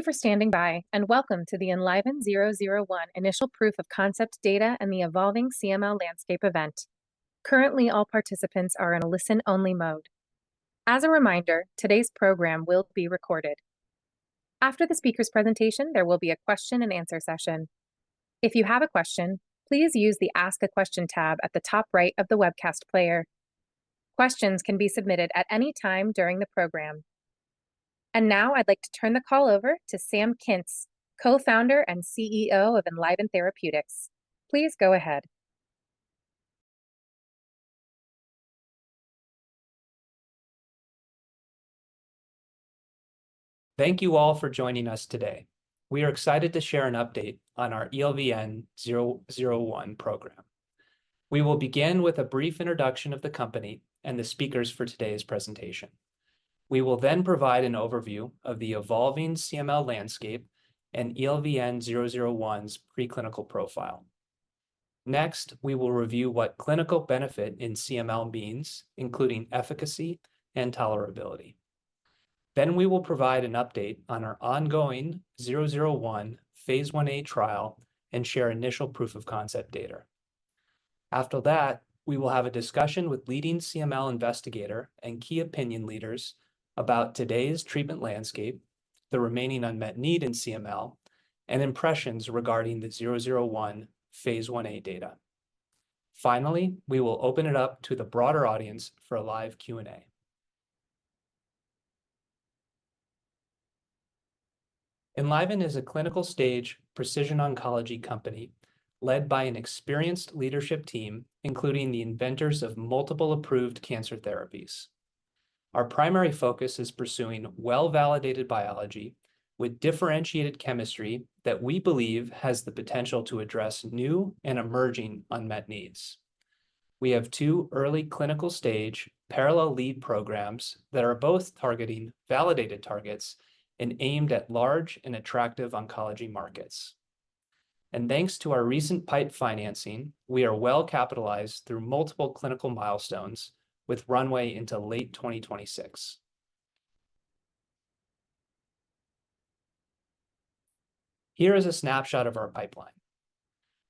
Thank you for standing by, and welcome to the ELVN-001 Initial Proof of Concept Data and the Evolving CML Landscape event. Currently, all participants are in a listen-only mode. As a reminder, today's program will be recorded. After the speaker's presentation, there will be a question and answer session. If you have a question, please use the Ask a Question tab at the top right of the webcast player. Questions can be submitted at any time during the program. Now I'd like to turn the call over to Sam Kintz, Co-founder and CEO of Enliven Therapeutics. Please go ahead. Thank you all for joining us today. We are excited to share an update on our ELVN-001 program. We will begin with a brief introduction of the company and the speakers for today's presentation. We will then provide an overview of the evolving CML landscape and ELVN-001's preclinical profile. Next, we will review what clinical benefit in CML means, including efficacy and tolerability. Then we will provide an update on our ongoing 001 phase I-A trial and share initial proof of concept data. After that, we will have a discussion with leading CML investigator and key opinion leaders about today's treatment landscape, the remaining unmet need in CML, and impressions regarding the 001 phase I-A data. Finally, we will open it up to the broader audience for a live Q&A. Enliven is a clinical-stage precision oncology company led by an experienced leadership team, including the inventors of multiple approved cancer therapies. Our primary focus is pursuing well-validated biology with differentiated chemistry that we believe has the potential to address new and emerging unmet needs. We have two early clinical-stage parallel lead programs that are both targeting validated targets and aimed at large and attractive oncology markets. Thanks to our recent PIPE financing, we are well-capitalized through multiple clinical milestones, with runway into late 2026. Here is a snapshot of our pipeline.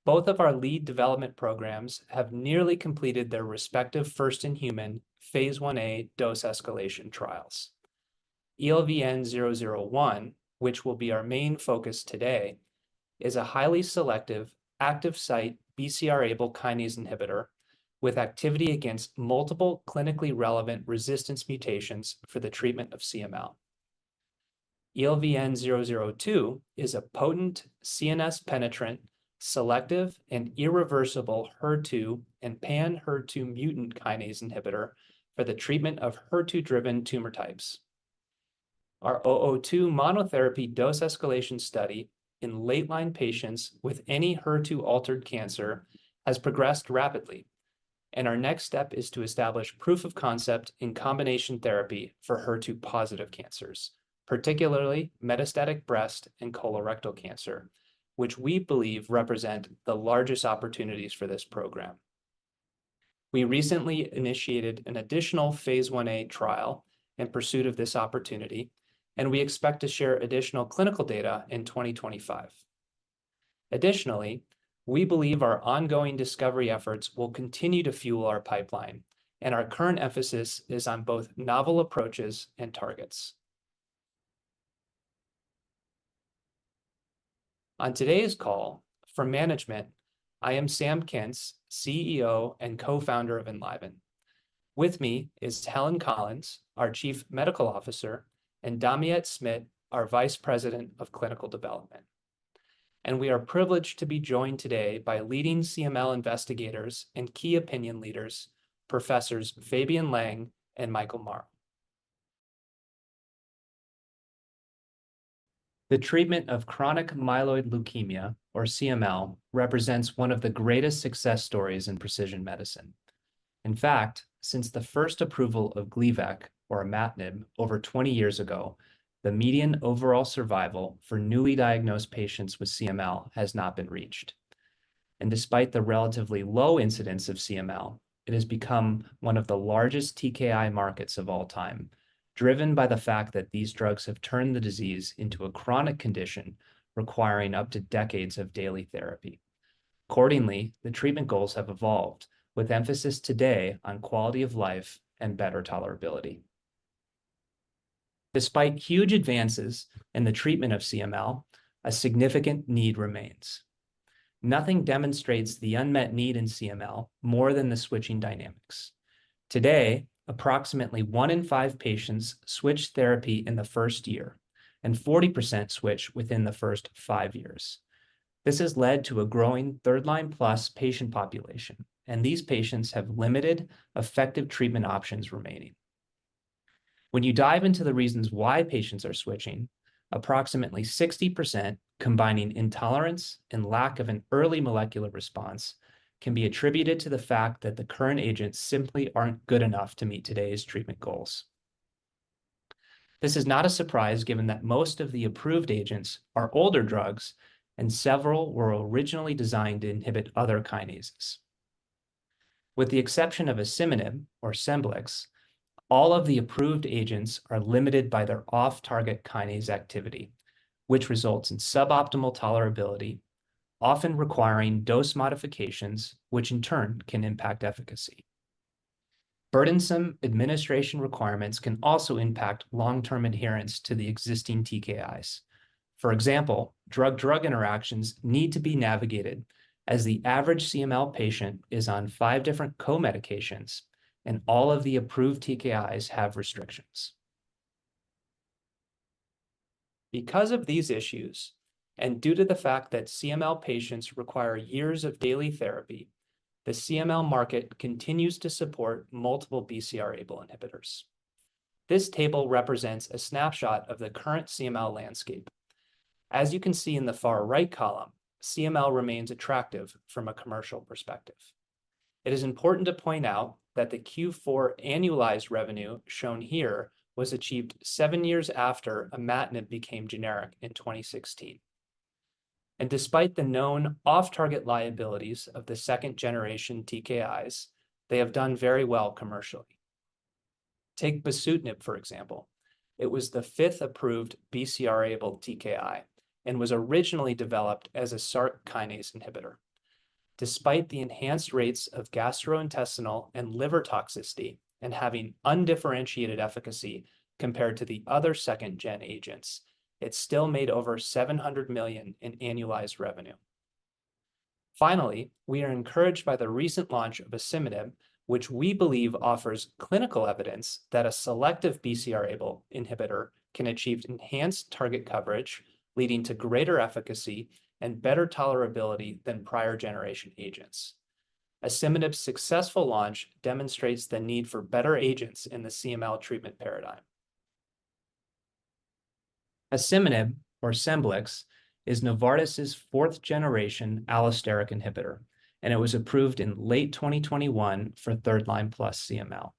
Both of our lead development programs have nearly completed their respective first-in-human phase I-A dose escalation trials. ELVN-001, which will be our main focus today, is a highly selective, active-site BCR::ABL1 kinase inhibitor with activity against multiple clinically relevant resistance mutations for the treatment of CML. ELVN-002 is a potent CNS-penetrant, selective, and irreversible HER2 and pan-HER2 mutant kinase inhibitor for the treatment of HER2-driven tumor types. Our ELVN-002 monotherapy dose escalation study in late-line patients with any HER2-altered cancer has progressed rapidly, and our next step is to establish proof of concept in combination therapy for HER2-positive cancers, particularly metastatic breast and colorectal cancer, which we believe represent the largest opportunities for this program. We recently initiated an additional phase I-A trial in pursuit of this opportunity, and we expect to share additional clinical data in 2025. Additionally, we believe our ongoing discovery efforts will continue to fuel our pipeline, and our current emphasis is on both novel approaches and targets. On today's call, for management, I am Sam Kintz, CEO and Co-founder of Enliven. With me is Helen Collins, our Chief Medical Officer, and Damiette Smit, our Vice President of Clinical Development. We are privileged to be joined today by leading CML investigators and key opinion leaders, Professors Fabian Lang and Michael Mauro. The treatment of chronic myeloid leukemia, or CML, represents one of the greatest success stories in precision medicine. In fact, since the first approval of Gleevec, or imatinib, over 20 years ago, the median overall survival for newly diagnosed patients with CML has not been reached. Despite the relatively low incidence of CML, it has become one of the largest TKI markets of all time, driven by the fact that these drugs have turned the disease into a chronic condition requiring up to decades of daily therapy. Accordingly, the treatment goals have evolved, with emphasis today on quality of life and better tolerability. Despite huge advances in the treatment of CML, a significant need remains. Nothing demonstrates the unmet need in CML more than the switching dynamics. Today, approximately one in five patients switch therapy in the first year, and 40% switch within the first five years. This has led to a growing third-line-plus patient population, and these patients have limited effective treatment options remaining. When you dive into the reasons why patients are switching, approximately 60%, combining intolerance and lack of an early molecular response, can be attributed to the fact that the current agents simply aren't good enough to meet today's treatment goals. This is not a surprise, given that most of the approved agents are older drugs, and several were originally designed to inhibit other kinases... With the exception of asciminib, or Tasigna, all of the approved agents are limited by their off-target kinase activity, which results in suboptimal tolerability, often requiring dose modifications, which in turn can impact efficacy. Burdensome administration requirements can also impact long-term adherence to the existing TKIs. For example, drug-drug interactions need to be navigated, as the average CML patient is on five different co-medications, and all of the approved TKIs have restrictions. Because of these issues, and due to the fact that CML patients require years of daily therapy, the CML market continues to support multiple BCR::ABL1 inhibitors. This table represents a snapshot of the current CML landscape. As you can see in the far right column, CML remains attractive from a commercial perspective. It is important to point out that the Q4 annualized revenue shown here was achieved seven years after imatinib became generic in 2016. Despite the known off-target liabilities of the second-generation TKIs, they have done very well commercially. Take bosutinib, for example. It was the fifth approved BCR::ABL1 TKI and was originally developed as a Src kinase inhibitor. Despite the enhanced rates of gastrointestinal and liver toxicity and having undifferentiated efficacy compared to the other second-gen agents, it still made over $700 million in annualized revenue. Finally, we are encouraged by the recent launch of asciminib, which we believe offers clinical evidence that a selective BCR::ABL1 inhibitor can achieve enhanced target coverage, leading to greater efficacy and better tolerability than prior generation agents. Asciminib's successful launch demonstrates the need for better agents in the CML treatment paradigm. Asciminib, or Tasigna, is Novartis's fourth-generation allosteric inhibitor, and it was approved in late 2021 for third-line plus CML.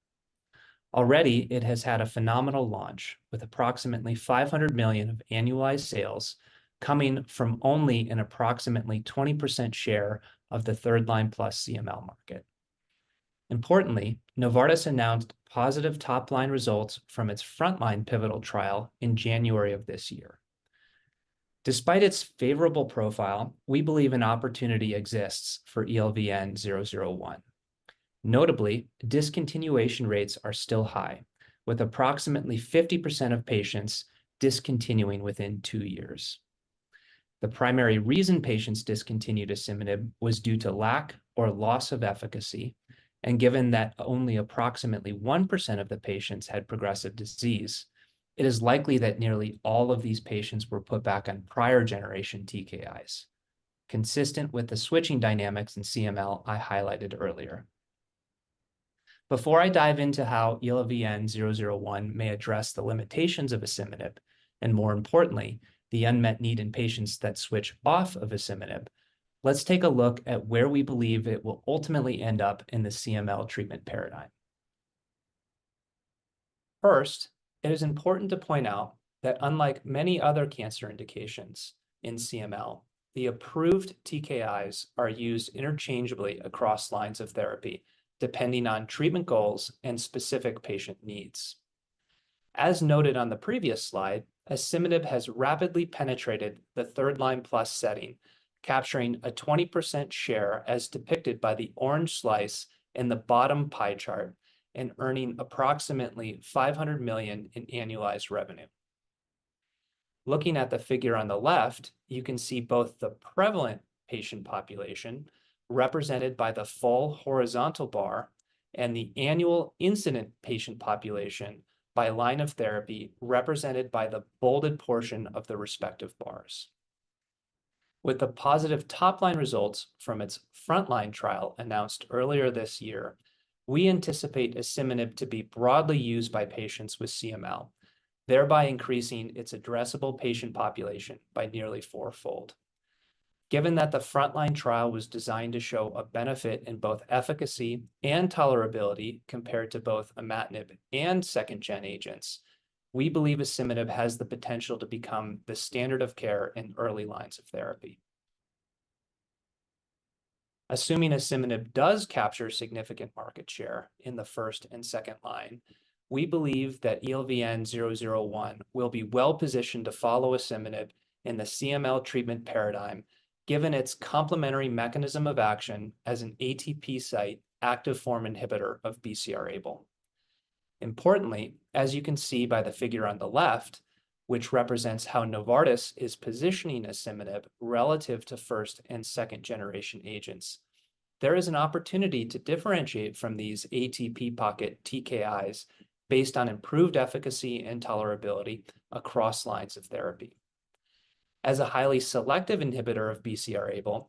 Already, it has had a phenomenal launch, with approximately $500 million of annualized sales coming from only an approximately 20% share of the third-line plus CML market. Importantly, Novartis announced positive top-line results from its frontline pivotal trial in January of this year. Despite its favorable profile, we believe an opportunity exists for ELVN-001. Notably, discontinuation rates are still high, with approximately 50% of patients discontinuing within two years. The primary reason patients discontinued asciminib was due to lack or loss of efficacy, and given that only approximately 1% of the patients had progressive disease, it is likely that nearly all of these patients were put back on prior-generation TKIs, consistent with the switching dynamics in CML I highlighted earlier. Before I dive into how ELVN-001 may address the limitations of asciminib, and more importantly, the unmet need in patients that switch off of asciminib, let's take a look at where we believe it will ultimately end up in the CML treatment paradigm. First, it is important to point out that unlike many other cancer indications in CML, the approved TKIs are used interchangeably across lines of therapy, depending on treatment goals and specific patient needs. As noted on the previous slide, asciminib has rapidly penetrated the third-line plus setting, capturing a 20% share, as depicted by the orange slice in the bottom pie chart, and earning approximately $500 million in annualized revenue. Looking at the figure on the left, you can see both the prevalent patient population, represented by the full horizontal bar, and the annual incident patient population by line of therapy, represented by the bolded portion of the respective bars. With the positive top-line results from its frontline trial announced earlier this year, we anticipate asciminib to be broadly used by patients with CML, thereby increasing its addressable patient population by nearly fourfold. Given that the frontline trial was designed to show a benefit in both efficacy and tolerability compared to both imatinib and second-gen agents, we believe asciminib has the potential to become the standard of care in early lines of therapy. Assuming asciminib does capture significant market share in the first and second line, we believe that ELVN-001 will be well-positioned to follow asciminib in the CML treatment paradigm, given its complementary mechanism of action as an ATP site active form inhibitor of BCR::ABL1. Importantly, as you can see by the figure on the left, which represents how Novartis is positioning asciminib relative to first and second-generation agents, there is an opportunity to differentiate from these ATP-pocket TKIs based on improved efficacy and tolerability across lines of therapy. As a highly selective inhibitor of BCR::ABL1,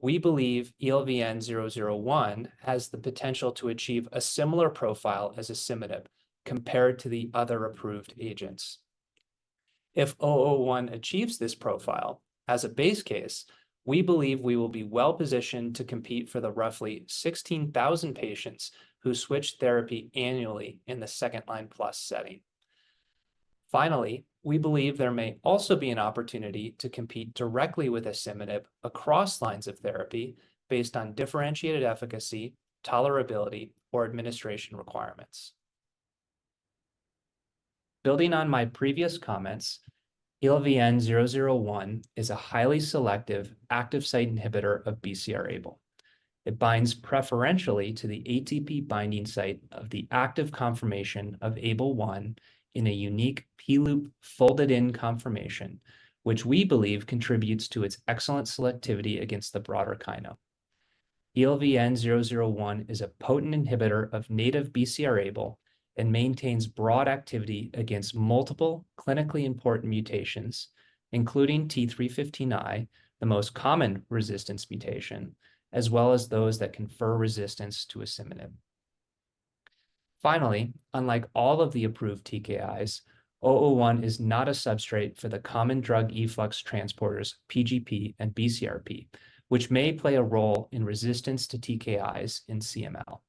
we believe ELVN-001 has the potential to achieve a similar profile as asciminib compared to the other approved agents. If ELVN-001 achieves this profile, as a base case, we believe we will be well-positioned to compete for the roughly 16,000 patients who switch therapy annually in the second-line plus setting. Finally, we believe there may also be an opportunity to compete directly with asciminib across lines of therapy based on differentiated efficacy, tolerability, or administration requirements. Building on my previous comments, ELVN-001 is a highly selective active site inhibitor of BCR::ABL1. It binds preferentially to the ATP binding site of the active conformation of ABL1 in a unique P-loop folded conformation, which we believe contributes to its excellent selectivity against the broader kinome. ELVN-001 is a potent inhibitor of native BCR::ABL1 and maintains broad activity against multiple clinically important mutations, including T315I, the most common resistance mutation, as well as those that confer resistance to asciminib. Finally, unlike all of the approved TKIs, ELVN-001 is not a substrate for the common drug efflux transporters, PGP and BCRP, which may play a role in resistance to TKIs in CML.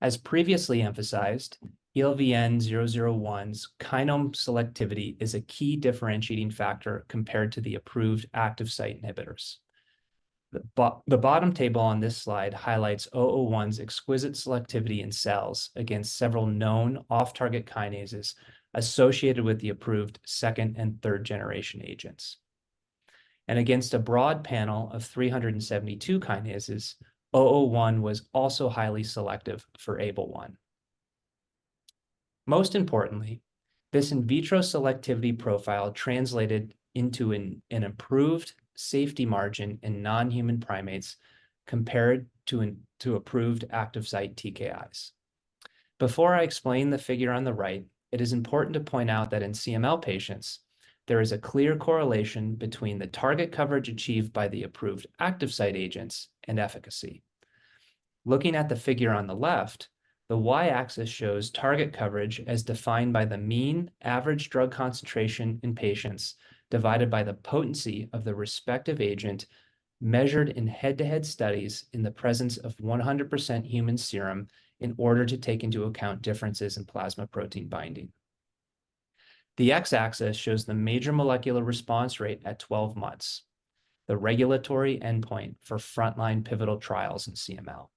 As previously emphasized, ELVN-001's kinome selectivity is a key differentiating factor compared to the approved active site inhibitors. The bottom table on this slide highlights ELVN-001's exquisite selectivity in cells against several known off-target kinases associated with the approved second- and third-generation agents. And against a broad panel of 372 kinases, ELVN-001 was also highly selective for ABL1. Most importantly, this in vitro selectivity profile translated into an improved safety margin in non-human primates compared to approved active site TKIs. Before I explain the figure on the right, it is important to point out that in CML patients, there is a clear correlation between the target coverage achieved by the approved active site agents and efficacy. Looking at the figure on the left, the Y-axis shows target coverage as defined by the mean average drug concentration in patients, divided by the potency of the respective agent measured in head-to-head studies in the presence of 100% human serum, in order to take into account differences in plasma protein binding. The X-axis shows the major molecular response rate at 12 months, the regulatory endpoint for frontline pivotal trials in CML.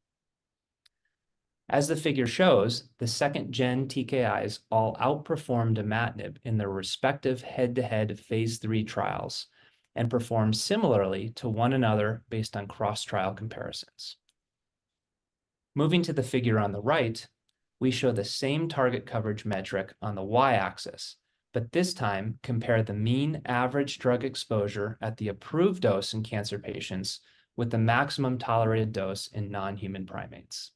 As the figure shows, the second-gen TKIs all outperformed imatinib in their respective head-to-head phase III trials and performed similarly to one another based on cross-trial comparisons. Moving to the figure on the right, we show the same target coverage metric on the Y-axis, but this time compare the mean average drug exposure at the approved dose in cancer patients with the maximum tolerated dose in non-human primates.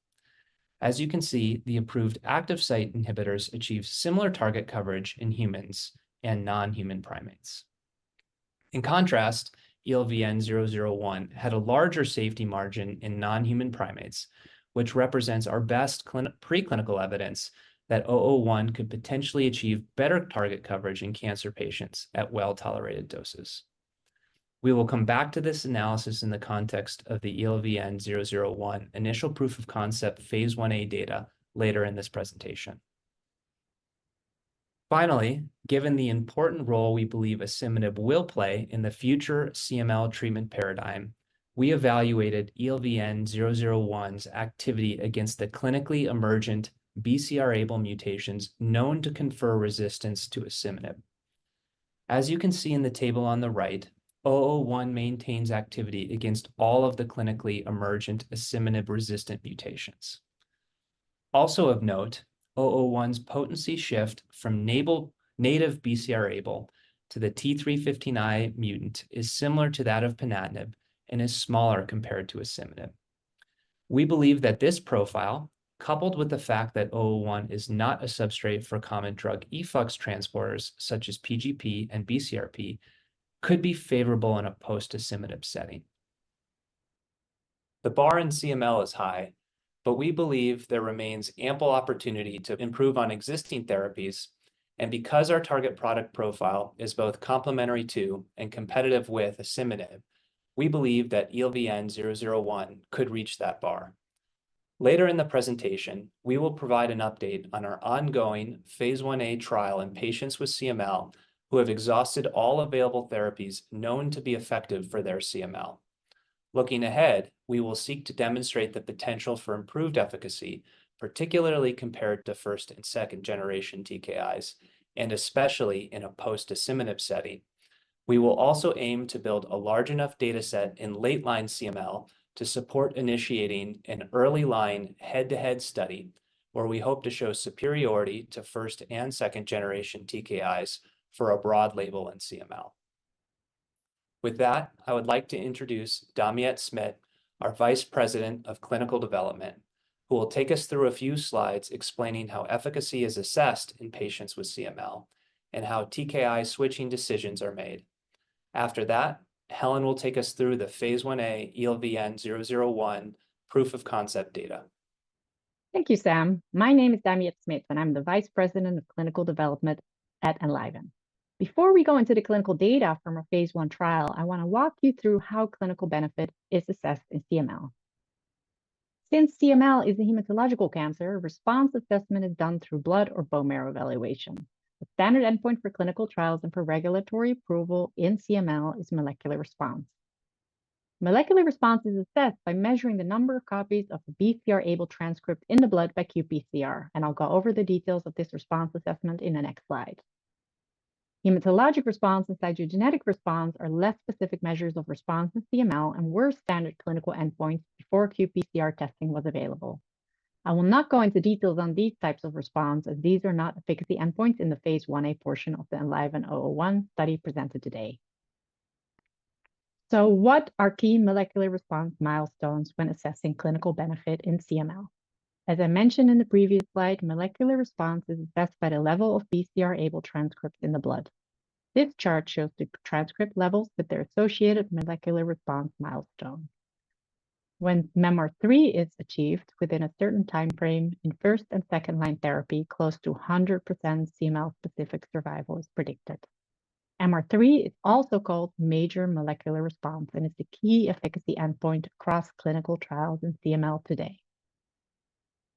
As you can see, the approved active site inhibitors achieve similar target coverage in humans and non-human primates. In contrast, ELVN-001 had a larger safety margin in non-human primates, which represents our best preclinical evidence that ELVN-001 could potentially achieve better target coverage in cancer patients at well-tolerated doses. We will come back to this analysis in the context of the ELVN-001 initial proof of concept phase I-A data later in this presentation. Finally, given the important role we believe asciminib will play in the future CML treatment paradigm, we evaluated ELVN-001's activity against the clinically emergent BCR::ABL1 mutations known to confer resistance to asciminib. As you can see in the table on the right, ELVN-001 maintains activity against all of the clinically emergent asciminib-resistant mutations. Also of note, ELVN-001's potency shift from native BCR::ABL1 to the T315I mutant is similar to that of ponatinib and is smaller compared to asciminib. We believe that this profile, coupled with the fact that ELVN-001 is not a substrate for common drug efflux transporters such as PGP and BCRP, could be favorable in a post-asciminib setting. The bar in CML is high, but we believe there remains ample opportunity to improve on existing therapies, and because our target product profile is both complementary to and competitive with asciminib, we believe that ELVN-001 could reach that bar. Later in the presentation, we will provide an update on our ongoing phase I-A trial in patients with CML who have exhausted all available therapies known to be effective for their CML. Looking ahead, we will seek to demonstrate the potential for improved efficacy, particularly compared to first and second-generation TKIs, and especially in a post-asciminib setting. We will also aim to build a large enough data set in late-line CML to support initiating an early-line head-to-head study, where we hope to show superiority to first and second-generation TKIs for a broad label in CML. With that, I would like to introduce Damiette Smit, our Vice President of Clinical Development, who will take us through a few slides explaining how efficacy is assessed in patients with CML and how TKI switching decisions are made. After that, Helen will take us through the phase I-A ELVN-001 proof of concept data. Thank you, Sam. My name is Damiette Smit, and I'm the Vice President of Clinical Development at Enliven Therapeutics. Before we go into the clinical data from our phase I trial, I wanna walk you through how clinical benefit is assessed in CML. Since CML is a hematological cancer, response assessment is done through blood or bone marrow evaluation. The standard endpoint for clinical trials and for regulatory approval in CML is molecular response. Molecular response is assessed by measuring the number of copies of the BCR::ABL1 transcript in the blood by qPCR, and I'll go over the details of this response assessment in the next slide. Hematologic response and cytogenetic response are less specific measures of response in CML and were standard clinical endpoints before qPCR testing was available. I will not go into details on these types of response, as these are not efficacy endpoints in the phase I-A portion of the ELVN-001 study presented today. So what are key molecular response milestones when assessing clinical benefit in CML? As I mentioned in the previous slide, molecular response is assessed by the level of BCR::ABL1 transcripts in the blood. This chart shows the transcript levels with their associated molecular response milestone. When MR3 is achieved within a certain time frame in first and second-line therapy, close to 100% CML-specific survival is predicted. MR3 is also called major molecular response and is the key efficacy endpoint across clinical trials in CML today.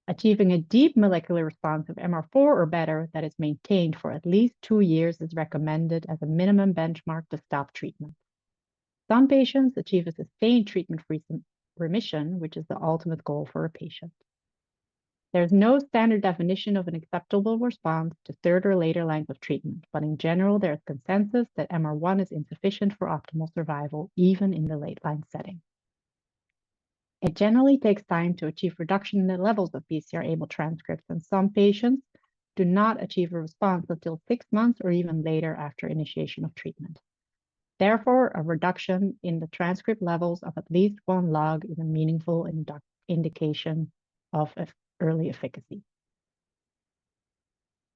Achieving a deep molecular response of MR4 or better that is maintained for at least two years is recommended as a minimum benchmark to stop treatment. Some patients achieve a sustained treatment recent... remission, which is the ultimate goal for a patient. There's no standard definition of an acceptable response to third or later lines of treatment, but in general, there is consensus that MR1 is insufficient for optimal survival, even in the late-line setting. It generally takes time to achieve reduction in the levels of BCR::ABL1 transcripts, and some patients do not achieve a response until six months or even later after initiation of treatment. Therefore, a reduction in the transcript levels of at least one log is a meaningful indication of early efficacy.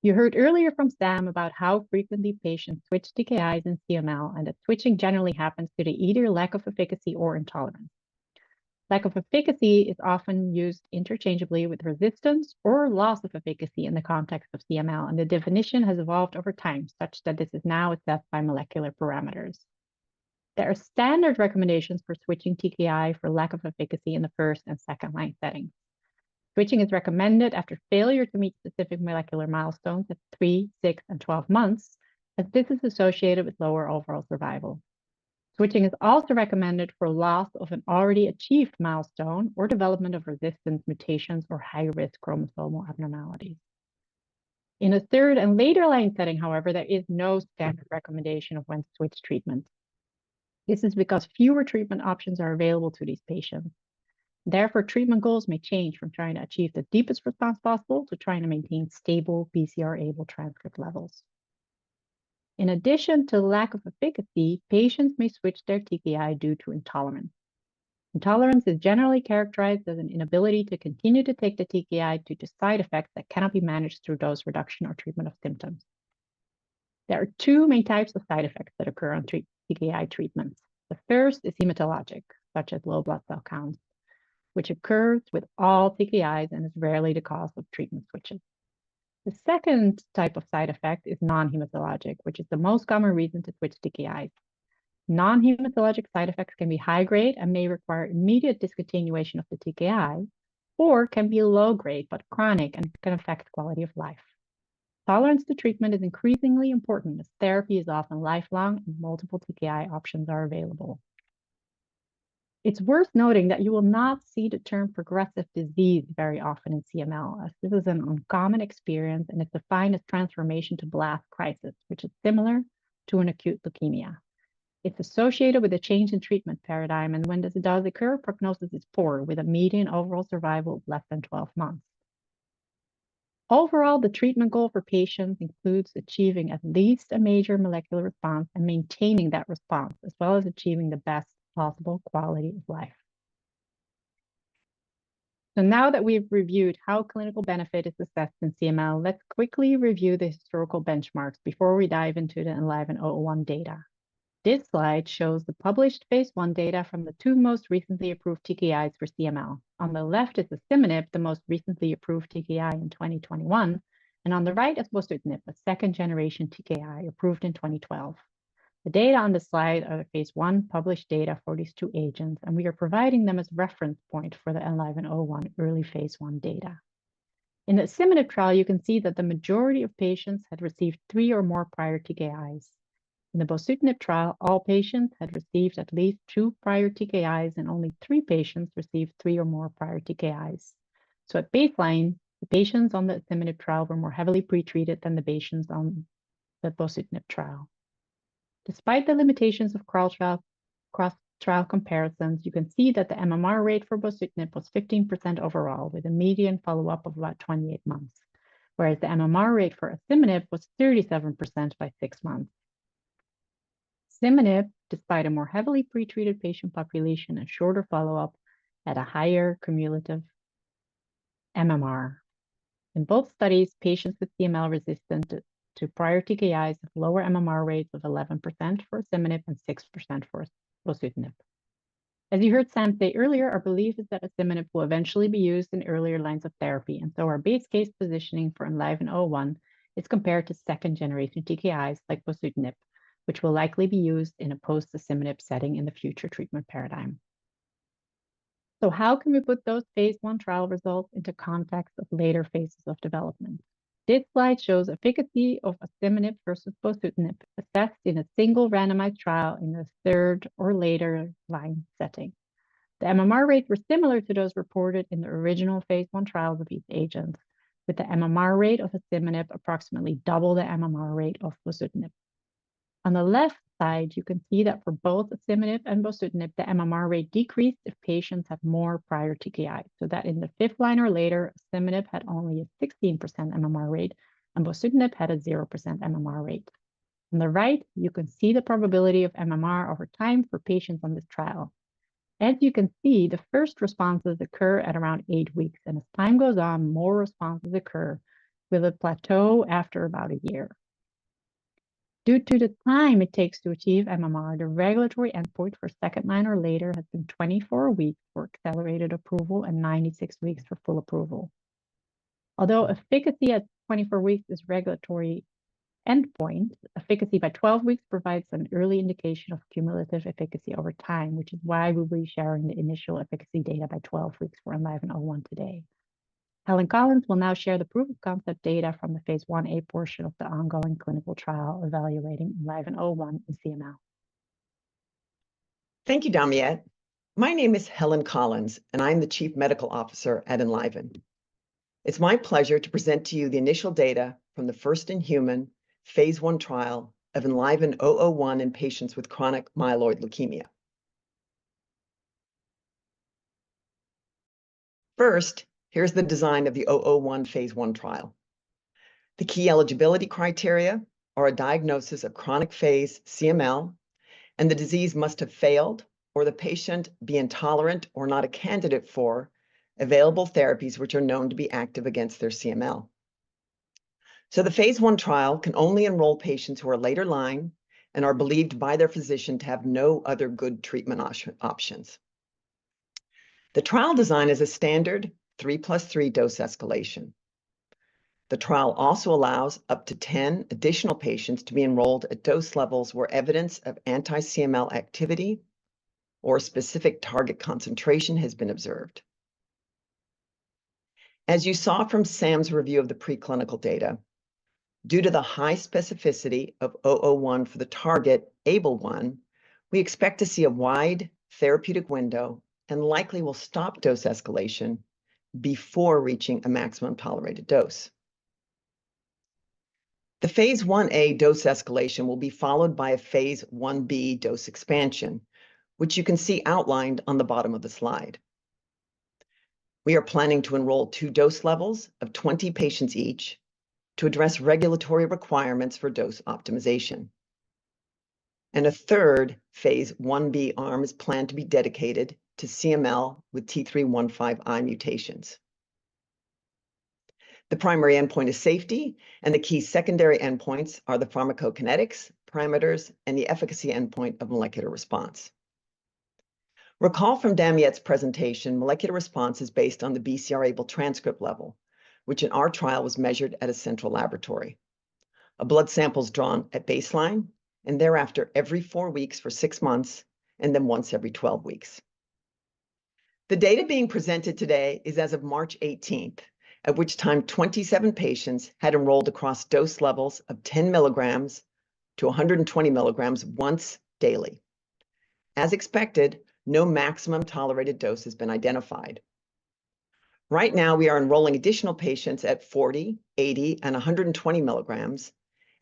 You heard earlier from Sam about how frequently patients switch TKIs in CML, and that switching generally happens due to either lack of efficacy or intolerance. Lack of efficacy is often used interchangeably with resistance or loss of efficacy in the context of CML, and the definition has evolved over time, such that this is now assessed by molecular parameters. There are standard recommendations for switching TKI for lack of efficacy in the first- and second-line settings. Switching is recommended after failure to meet specific molecular milestones at three, six, and 12 months, as this is associated with lower overall survival. Switching is also recommended for loss of an already achieved milestone or development of resistance mutations or high-risk chromosomal abnormalities. In a third- and later-line setting, however, there is no standard recommendation of when to switch treatments. This is because fewer treatment options are available to these patients. Therefore, treatment goals may change from trying to achieve the deepest response possible to trying to maintain stable BCR::ABL1 transcript levels. In addition to lack of efficacy, patients may switch their TKI due to intolerance. Intolerance is generally characterized as an inability to continue to take the TKI due to side effects that cannot be managed through dose reduction or treatment of symptoms. There are two main types of side effects that occur on TKI treatments. The first is hematologic, such as low blood cell counts, which occurs with all TKIs and is rarely the cause of treatment switching. The second type of side effect is non-hematologic, which is the most common reason to switch TKIs. Non-hematologic side effects can be high grade and may require immediate discontinuation of the TKI, or can be low grade, but chronic, and can affect quality of life. Tolerance to treatment is increasingly important, as therapy is often lifelong, and multiple TKI options are available. It's worth noting that you will not see the term progressive disease very often in CML, as this is an uncommon experience, and it's defined as transformation to blast crisis, which is similar to an acute leukemia. It's associated with a change in treatment paradigm, and when it does occur, prognosis is poor, with a median overall survival of less than 12 months. Overall, the treatment goal for patients includes achieving at least a major molecular response and maintaining that response, as well as achieving the best possible quality of life. So now that we've reviewed how clinical benefit is assessed in CML, let's quickly review the historical benchmarks before we dive into the ELVN-001 data. This slide shows the published phase I data from the two most recently approved TKIs for CML. On the left is asciminib, the most recently approved TKI in 2021, and on the right is bosutinib, a second-generation TKI approved in 2012. The data on this slide are the phase I published data for these two agents, and we are providing them as reference point for the ELVN-001 early phase I data. In the asciminib trial, you can see that the majority of patients had received three or more prior TKIs. In the bosutinib trial, all patients had received at least two prior TKIs, and only three patients received three or more prior TKIs. So at baseline, the patients on the asciminib trial were more heavily pretreated than the patients on the bosutinib trial. Despite the limitations of cross-trial, cross-trial comparisons, you can see that the MMR rate for bosutinib was 15% overall, with a median follow-up of about 28 months, whereas the MMR rate for asciminib was 37% by six months. Asciminib, despite a more heavily pretreated patient population and shorter follow-up, had a higher cumulative MMR. In both studies, patients with CML resistant to prior TKIs have lower MMR rates of 11% for asciminib and 6% for bosutinib. As you heard Sam say earlier, our belief is that asciminib will eventually be used in earlier lines of therapy, and so our base case positioning for ELVN-001 is compared to second-generation TKIs, like bosutinib... which will likely be used in a post-asciminib setting in the future treatment paradigm. So how can we put those phase I trial results into context of later phases of development? This slide shows efficacy of asciminib versus bosutinib assessed in a single randomized trial in the third or later line setting. The MMR rates were similar to those reported in the original phase I trials of these agents, with the MMR rate of asciminib approximately double the MMR rate of bosutinib. On the left side, you can see that for both asciminib and bosutinib, the MMR rate decreased if patients have more prior TKI. So that in the fifth line or later, asciminib had only a 16% MMR rate, and bosutinib had a 0% MMR rate. On the right, you can see the probability of MMR over time for patients on this trial. As you can see, the first responses occur at around eight weeks, and as time goes on, more responses occur, with a plateau after about a year. Due to the time it takes to achieve MMR, the regulatory endpoint for second line or later has been 24 weeks for accelerated approval and 96 weeks for full approval. Although efficacy at 24 weeks is regulatory endpoint, efficacy by 12 weeks provides an early indication of cumulative efficacy over time, which is why we'll be sharing the initial efficacy data by 12 weeks for ELVN-001 today. Helen Collins will now share the proof of concept data from the phase I-A portion of the ongoing clinical trial evaluating ELVN-001 in CML. Thank you, Damiette. My name is Helen Collins, and I'm the Chief Medical Officer at Enliven. It's my pleasure to present to you the initial data from the first-in-human phase I trial of Enliven-001 in patients with chronic myeloid leukemia. First, here's the design of the 001 phase I trial. The key eligibility criteria are a diagnosis of chronic phase CML, and the disease must have failed, or the patient be intolerant or not a candidate for available therapies which are known to be active against their CML. So the phase I trial can only enroll patients who are later line and are believed by their physician to have no other good treatment options. The trial design is a standard 3 + 3 dose escalation. The trial also allows up to 10 additional patients to be enrolled at dose levels where evidence of anti-CML activity or specific target concentration has been observed. As you saw from Sam's review of the preclinical data, due to the high specificity of ELVN-001 for the target ABL1, we expect to see a wide therapeutic window and likely will stop dose escalation before reaching a maximum tolerated dose. The phase I-A dose escalation will be followed by a phase I-B dose expansion, which you can see outlined on the bottom of the slide. We are planning to enroll two dose levels of 20 patients each to address regulatory requirements for dose optimization. A third phase I-B arm is planned to be dedicated to CML with T315I mutations. The primary endpoint is safety, and the key secondary endpoints are the pharmacokinetics, parameters, and the efficacy endpoint of molecular response. Recall from Damiette's presentation, molecular response is based on the BCR::ABL1 transcript level, which in our trial was measured at a central laboratory. A blood sample's drawn at baseline, and thereafter, every four weeks for six months, and then once every 12 weeks. The data being presented today is as of March eighteenth, at which time 27 patients had enrolled across dose levels of 10 mg to 120 mg once daily. As expected, no maximum tolerated dose has been identified. Right now, we are enrolling additional patients at 40, 80, and 120 mg,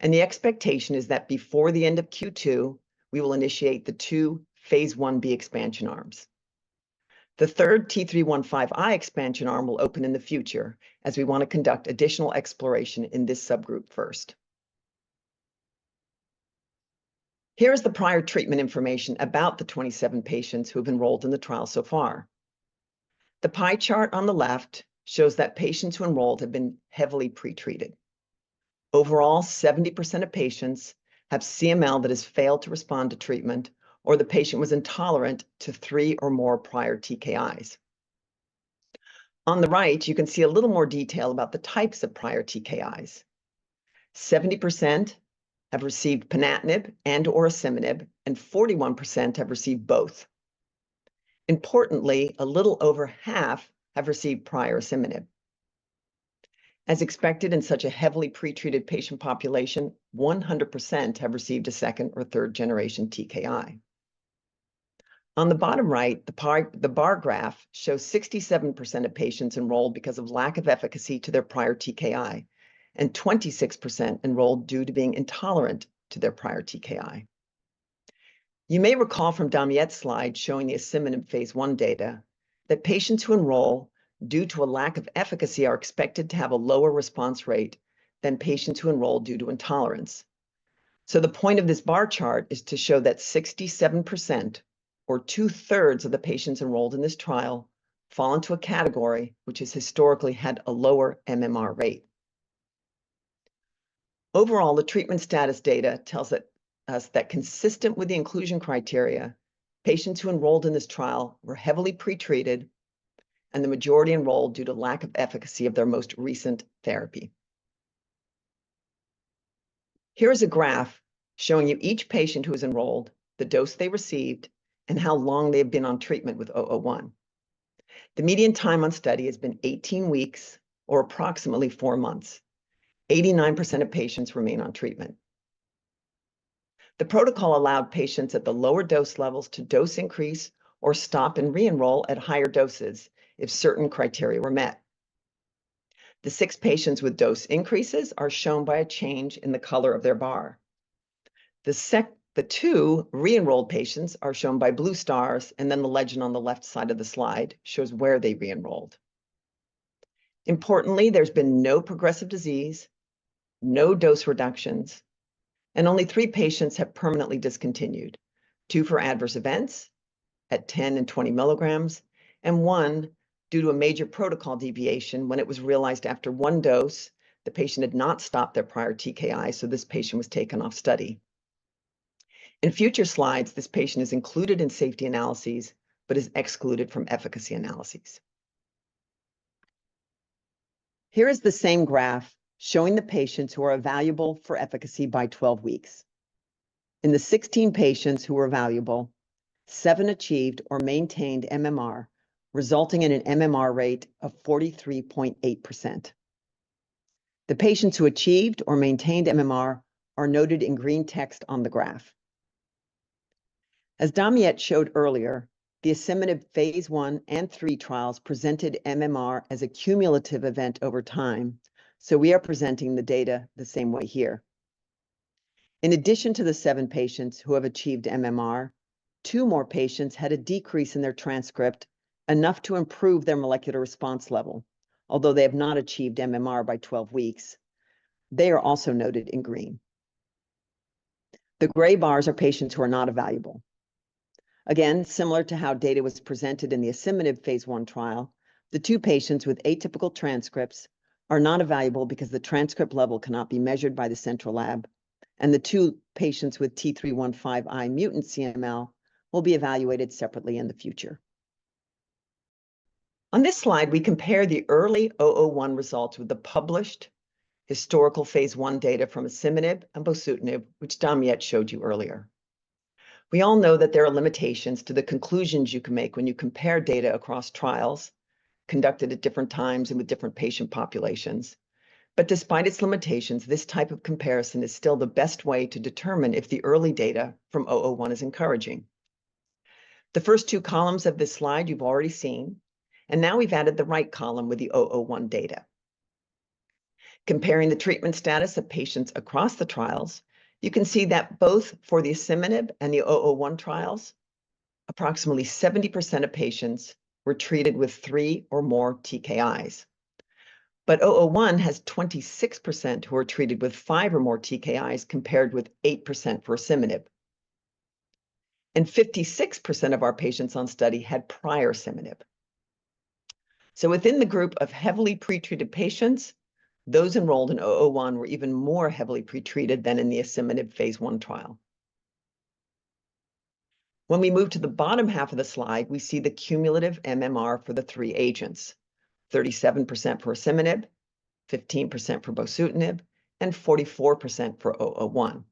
and the expectation is that before the end of Q2, we will initiate the two phase I-B expansion arms. The third T315I expansion arm will open in the future, as we wanna conduct additional exploration in this subgroup first. Here is the prior treatment information about the 27 patients who have enrolled in the trial so far. The pie chart on the left shows that patients who enrolled have been heavily pretreated. Overall, 70% of patients have CML that has failed to respond to treatment, or the patient was intolerant to three or more prior TKIs. On the right, you can see a little more detail about the types of prior TKIs. 70% have received ponatinib and/or asciminib, and 41% have received both. Importantly, a little over half have received prior asciminib. As expected, in such a heavily pretreated patient population, 100% have received a second or third-generation TKI. On the bottom right, the bar graph shows 67% of patients enrolled because of lack of efficacy to their prior TKI, and 26% enrolled due to being intolerant to their prior TKI. You may recall from Damiette's slide showing the asciminib phase I data, that patients who enroll due to a lack of efficacy are expected to have a lower response rate than patients who enroll due to intolerance. So the point of this bar chart is to show that 67% or two-thirds of the patients enrolled in this trial fall into a category which has historically had a lower MMR rate. Overall, the treatment status data tells us that consistent with the inclusion criteria, patients who enrolled in this trial were heavily pretreated and the majority enrolled due to lack of efficacy of their most recent therapy. Here is a graph showing you each patient who is enrolled, the dose they received, and how long they have been on treatment with ELVN-001. The median time on study has been 18 weeks, or approximately four months. 89% of patients remain on treatment. The protocol allowed patients at the lower dose levels to dose increase or stop and re-enroll at higher doses if certain criteria were met. The six patients with dose increases are shown by a change in the color of their bar. The two re-enrolled patients are shown by blue stars, and then the legend on the left side of the slide shows where they re-enrolled. Importantly, there's been no progressive disease, no dose reductions, and only three patients have permanently discontinued, two for adverse events at 10 and 20 milligrams, and one due to a major protocol deviation when it was realized after one dose, the patient had not stopped their prior TKI, so this patient was taken off study. In future slides, this patient is included in safety analyses but is excluded from efficacy analyses. Here is the same graph showing the patients who are evaluable for efficacy by 12 weeks. In the 16 patients who are evaluable, seven achieved or maintained MMR, resulting in an MMR rate of 43.8%. The patients who achieved or maintained MMR are noted in green text on the graph. As Damiette showed earlier, the asciminib phase I and III trials presented MMR as a cumulative event over time, so we are presenting the data the same way here. In addition to the seven patients who have achieved MMR, two more patients had a decrease in their transcript, enough to improve their molecular response level, although they have not achieved MMR by twelve weeks. They are also noted in green. The gray bars are patients who are not evaluable. Again, similar to how data was presented in the asciminib phase I trial, the two patients with atypical transcripts are not evaluable because the transcript level cannot be measured by the central lab, and the two patients with T315I mutant CML will be evaluated separately in the future. On this slide, we compare the early ELVN-001 results with the published historical phase I data from asciminib and bosutinib, which Damiette showed you earlier. We all know that there are limitations to the conclusions you can make when you compare data across trials conducted at different times and with different patient populations. Despite its limitations, this type of comparison is still the best way to determine if the early data from ELVN-001 is encouraging. The first two columns of this slide you've already seen, and now we've added the right column with the ELVN-001 data. Comparing the treatment status of patients across the trials, you can see that both for the asciminib and the ELVN-001 trials, approximately 70% of patients were treated with three or more TKIs. But ELVN-001 has 26% who are treated with five or more TKIs, compared with 8% for asciminib, and 56% of our patients on study had prior asciminib. So within the group of heavily pretreated patients, those enrolled in ELVN-001 were even more heavily pretreated than in the asciminib phase I trial. When we move to the bottom half of the slide, we see the cumulative MMR for the three agents: 37% for asciminib, 15% for bosutinib, and 44% for ELVN-001.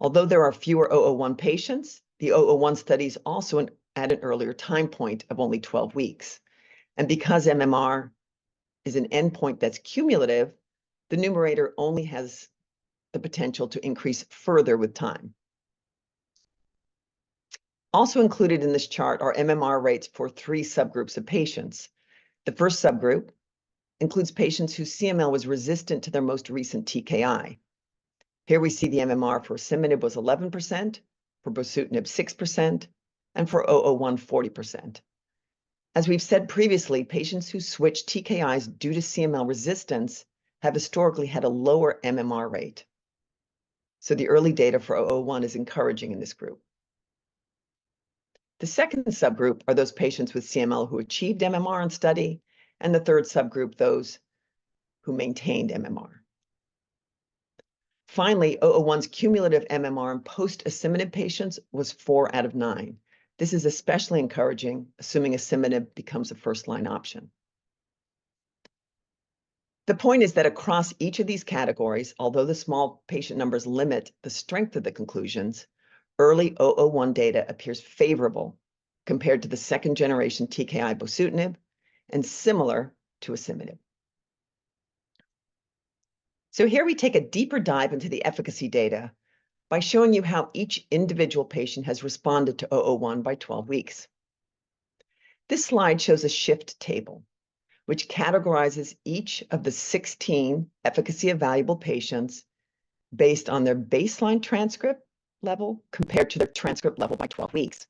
Although there are fewer ELVN-001 patients, the ELVN-001 study is also at an earlier time point of only 12 weeks, and because MMR is an endpoint that's cumulative, the numerator only has the potential to increase further with time. Also included in this chart are MMR rates for three subgroups of patients. The first subgroup includes patients whose CML was resistant to their most recent TKI. Here we see the MMR for asciminib was 11%, for bosutinib, 6%, and for ELVN-001, 40%. As we've said previously, patients who switch TKIs due to CML resistance have historically had a lower MMR rate, so the early data for ELVN-001 is encouraging in this group. The second subgroup are those patients with CML who achieved MMR on study, and the third subgroup, those who maintained MMR. Finally, ELVN-001's cumulative MMR in post-asciminib patients was four out of nine. This is especially encouraging, assuming asciminib becomes a first-line option. The point is that across each of these categories, although the small patient numbers limit the strength of the conclusions, early ELVN-001 data appears favorable compared to the second-generation TKI bosutinib and similar to asciminib. So here we take a deeper dive into the efficacy data by showing you how each individual patient has responded to ELVN-001 by 12 weeks. This slide shows a shift table, which categorizes each of the 16 efficacy evaluable patients based on their baseline transcript level compared to their transcript level by 12 weeks.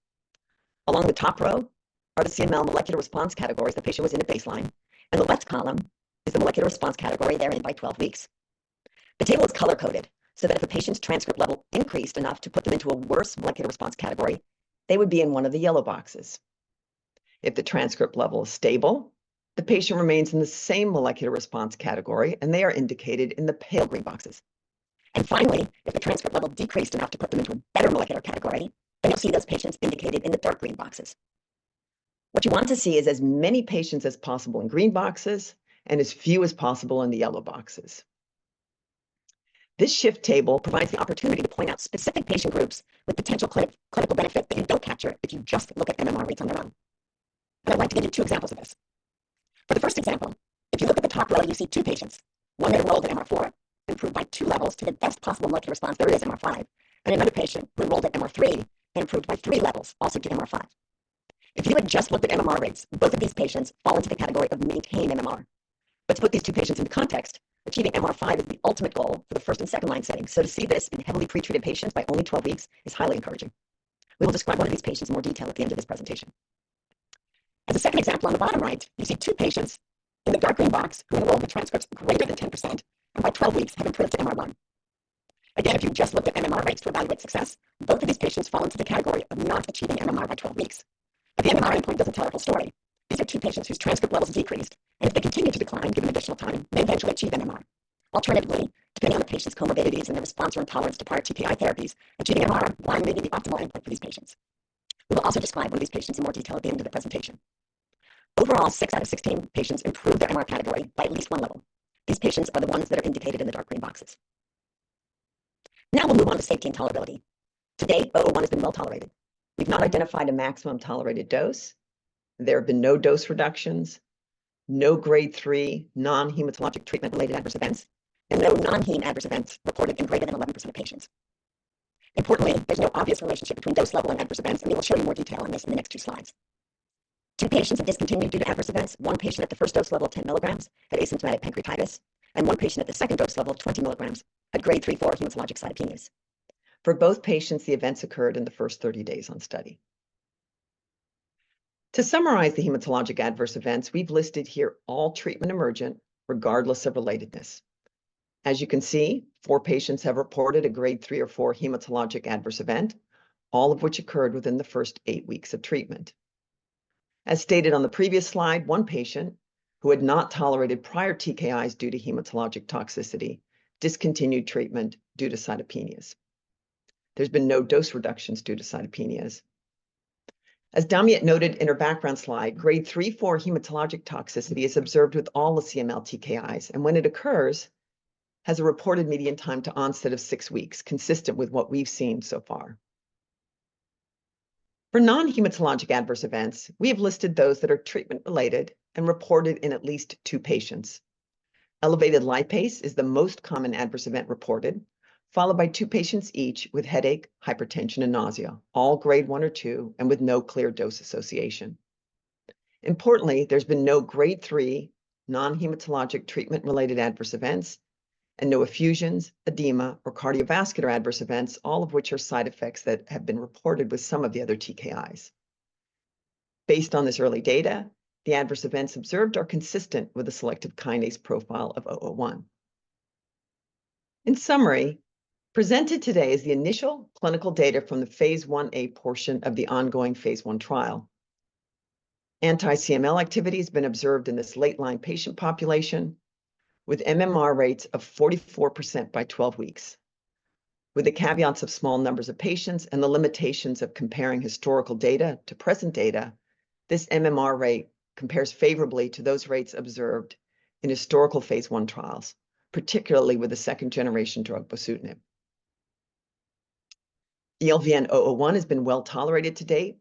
Along the top row are the CML molecular response categories the patient was in the baseline, and the left column is the molecular response category they're in by 12 weeks. The table is color-coded so that if a patient's transcript level increased enough to put them into a worse molecular response category, they would be in one of the yellow boxes. If the transcript level is stable, the patient remains in the same molecular response category, and they are indicated in the pale green boxes. And finally, if the transcript level decreased enough to put them into a better molecular category, then you'll see those patients indicated in the dark green boxes. What you want to see is as many patients as possible in green boxes and as few as possible in the yellow boxes. This shift table provides the opportunity to point out specific patient groups with potential clinical benefit that you don't capture if you just look at MMR rates on their own. I'd like to give you two examples of this. For the first example, if you look at the top row, you see two patients. One enrolled at MR4, improved by two levels to the best possible molecular response, there it is, MR5, and another patient who enrolled at MR3 and improved by three levels, also to MR5. If you had just looked at MMR rates, both of these patients fall into the category of maintain MMR. Let's put these two patients into context. Achieving MR5 is the ultimate goal for the first- and second-line setting, so to see this in heavily pretreated patients by only 12 weeks is highly encouraging. We will describe one of these patients in more detail at the end of this presentation. As a second example, on the bottom right, you see two patients in the dark green box who enroll with transcripts greater than 10% and by 12 weeks have improved to MR1. Again, if you just looked at MMR rates to evaluate success, both of these patients fall into the category of not achieving MMR by 12 weeks. But the MMR endpoint tells a terrible story. These are two patients whose transcript levels decreased, and if they continue to decline, given additional time, may eventually achieve MMR. Alternatively, depending on the patient's comorbidities and their response or intolerance to prior TKI therapies, achieving MMR1 may be the optimal endpoint for these patients. We will also describe one of these patients in more detail at the end of the presentation. Overall, six out of 16 patients improved their MR category by at least one level. These patients are the ones that are indicated in the dark green boxes. Now we'll move on to safety and tolerability. To date, ELVN-001 has been well tolerated. We've not identified a maximum tolerated dose. There have been no dose reductions, no Grade 3 non-hematologic treatment-related adverse events, and no non-hematologic adverse events reported in greater than 11% of patients. Importantly, there's no obvious relationship between dose level and adverse events, and we will show you more detail on this in the next two slides. Two patients have discontinued due to adverse events: one patient at the first dose level of 10 milligrams had asymptomatic pancreatitis, and one patient at the second dose level of 20 milligrams had Grade 3/4 hematologic cytopenias. For both patients, the events occurred in the first 30 days on study. To summarize the hematologic adverse events, we've listed here all treatment emergent, regardless of relatedness. As you can see, four patients have reported a Grade 3/4 hematologic adverse event, all of which occurred within the first eight weeks of treatment. As stated on the previous slide, one patient, who had not tolerated prior TKIs due to hematologic toxicity, discontinued treatment due to cytopenias. There's been no dose reductions due to cytopenias. As Damiette noted in her background slide, Grade 3/4 hematologic toxicity is observed with all the CML TKIs, and when it occurs, has a reported median time to onset of six weeks, consistent with what we've seen so far. For non-hematologic adverse events, we have listed those that are treatment-related and reported in at least two patients. Elevated lipase is the most common adverse event reported, followed by two patients each with headache, hypertension, and nausea, all Grade 1/2 and with no clear dose association. Importantly, there's been no Grade 3 non-hematologic treatment-related adverse events and no effusions, edema, or cardiovascular adverse events, all of which are side effects that have been reported with some of the other TKIs. Based on this early data, the adverse events observed are consistent with the selective kinase profile of ELVN-001. In summary, presented today is the initial clinical data from the phase I-A portion of the ongoing phase I trial. Anti-CML activity has been observed in this late-line patient population with MMR rates of 44% by 12 weeks. With the caveats of small numbers of patients and the limitations of comparing historical data to present data, this MMR rate compares favorably to those rates observed in historical phase I trials, particularly with the second-generation drug bosutinib. ELVN-001 has been well-tolerated to date,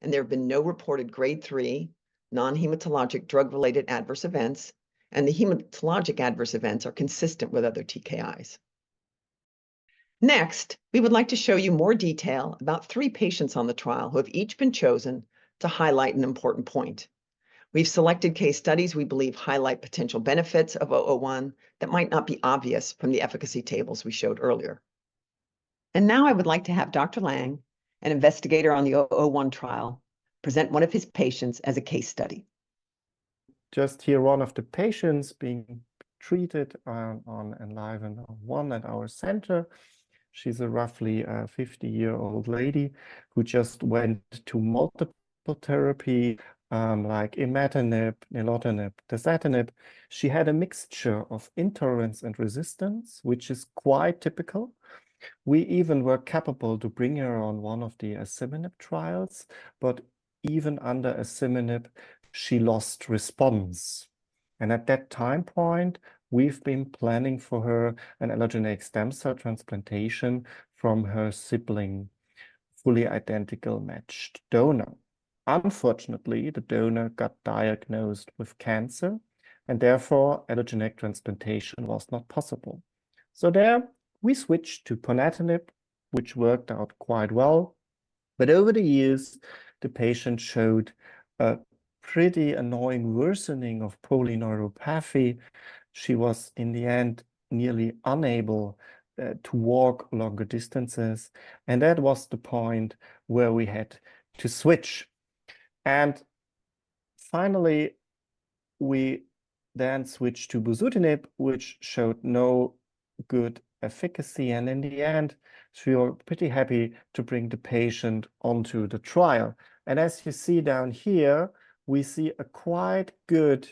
and there have been no reported Grade 3 non-hematologic drug-related adverse events, and the hematologic adverse events are consistent with other TKIs. Next, we would like to show you more detail about three patients on the trial who have each been chosen to highlight an important point. We've selected case studies we believe highlight potential benefits of ELVN-001 that might not be obvious from the efficacy tables we showed earlier. And now I would like to have Dr. Lang, an investigator on the ELVN-001 trial, present one of his patients as a case study. Just here, one of the patients being treated on ELVN-001 at our center. She's a roughly 50-year-old lady who just went to multiple therapy like imatinib, nilotinib, dasatinib. She had a mixture of intolerance and resistance, which is quite typical. We even were capable to bring her on one of the asciminib trials, but even under asciminib, she lost response. And at that time point, we've been planning for her an allogeneic stem cell transplantation from her sibling, fully identical matched donor. Unfortunately, the donor got diagnosed with cancer, and therefore, allogeneic transplantation was not possible. So there, we switched to ponatinib, which worked out quite well. But over the years, the patient showed a pretty annoying worsening of polyneuropathy. She was, in the end, nearly unable to walk longer distances, and that was the point where we had to switch. Finally, we then switched to bosutinib, which showed no good efficacy, and in the end, we were pretty happy to bring the patient onto the trial. As you see down here, we see a quite good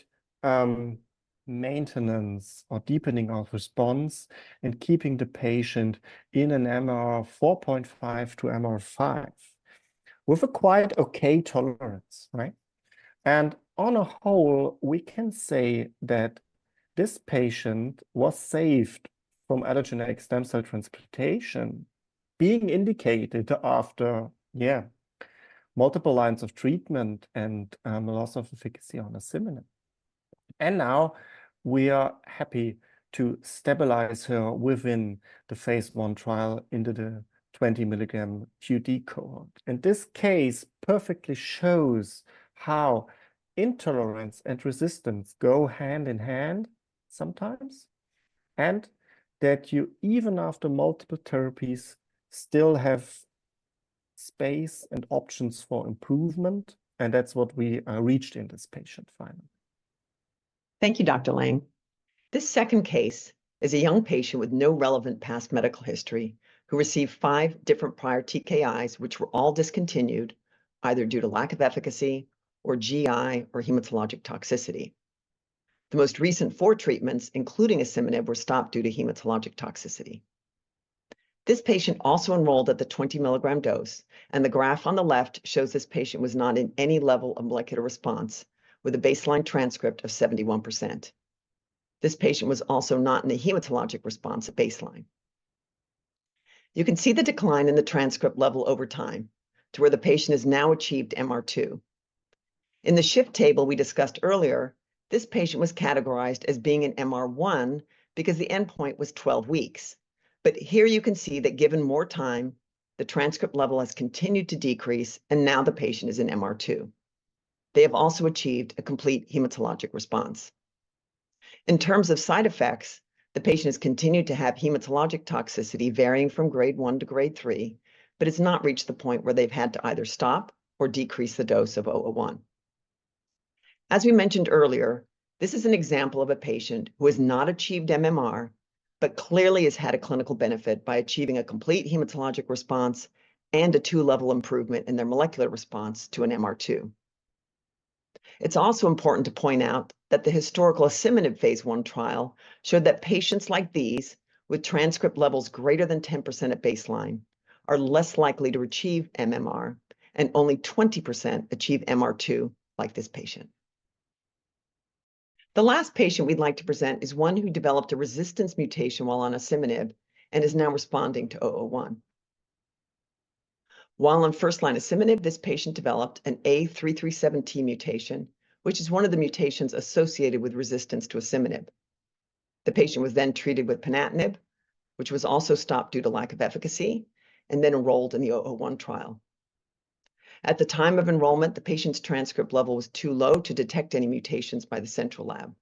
maintenance or deepening of response and keeping the patient in an MR4.5 to MR5 with a quiet, okay tolerance, right? On a whole, we can say that this patient was saved from allogeneic stem cell transplantation being indicated after multiple lines of treatment and loss of efficacy on asciminib. Now we are happy to stabilize her within the phase I trial into the 20 milligram QD cohort. This case perfectly shows how intolerance and resistance go hand in hand sometimes, and that you, even after multiple therapies, still have space and options for improvement, and that's what we reached in this patient finally. Thank you, Dr. Lang. This second case is a young patient with no relevant past medical history, who received five different prior TKIs, which were all discontinued, either due to lack of efficacy or GI or hematologic toxicity. The most recent four treatments, including asciminib, were stopped due to hematologic toxicity. This patient also enrolled at the 20 milligram dose, and the graph on the left shows this patient was not in any level of molecular response, with a baseline transcript of 71%. This patient was also not in a hematologic response at baseline. You can see the decline in the transcript level over time to where the patient has now achieved MR2. In the shift table we discussed earlier, this patient was categorized as being an MR1 because the endpoint was 12 weeks. Here you can see that given more time, the transcript level has continued to decrease, and now the patient is in MR2. They have also achieved a complete hematologic response. In terms of side effects, the patient has continued to have hematologic toxicity, varying from grade one to grade three, but it's not reached the point where they've had to either stop or decrease the dose of ELVN-001. As we mentioned earlier, this is an example of a patient who has not achieved MMR, but clearly has had a clinical benefit by achieving a complete hematologic response and a two-level improvement in their molecular response to an MR2. It's also important to point out that the historical asciminib phase I trial showed that patients like these, with transcript levels greater than 10% at baseline, are less likely to achieve MMR, and only 20% achieve MR2, like this patient. The last patient we'd like to present is one who developed a resistance mutation while on asciminib and is now responding to ELVN-001. While on first-line asciminib, this patient developed an A337T mutation, which is one of the mutations associated with resistance to asciminib. The patient was then treated with ponatinib, which was also stopped due to lack of efficacy, and then enrolled in the ELVN-001 trial. At the time of enrollment, the patient's transcript level was too low to detect any mutations by the central lab.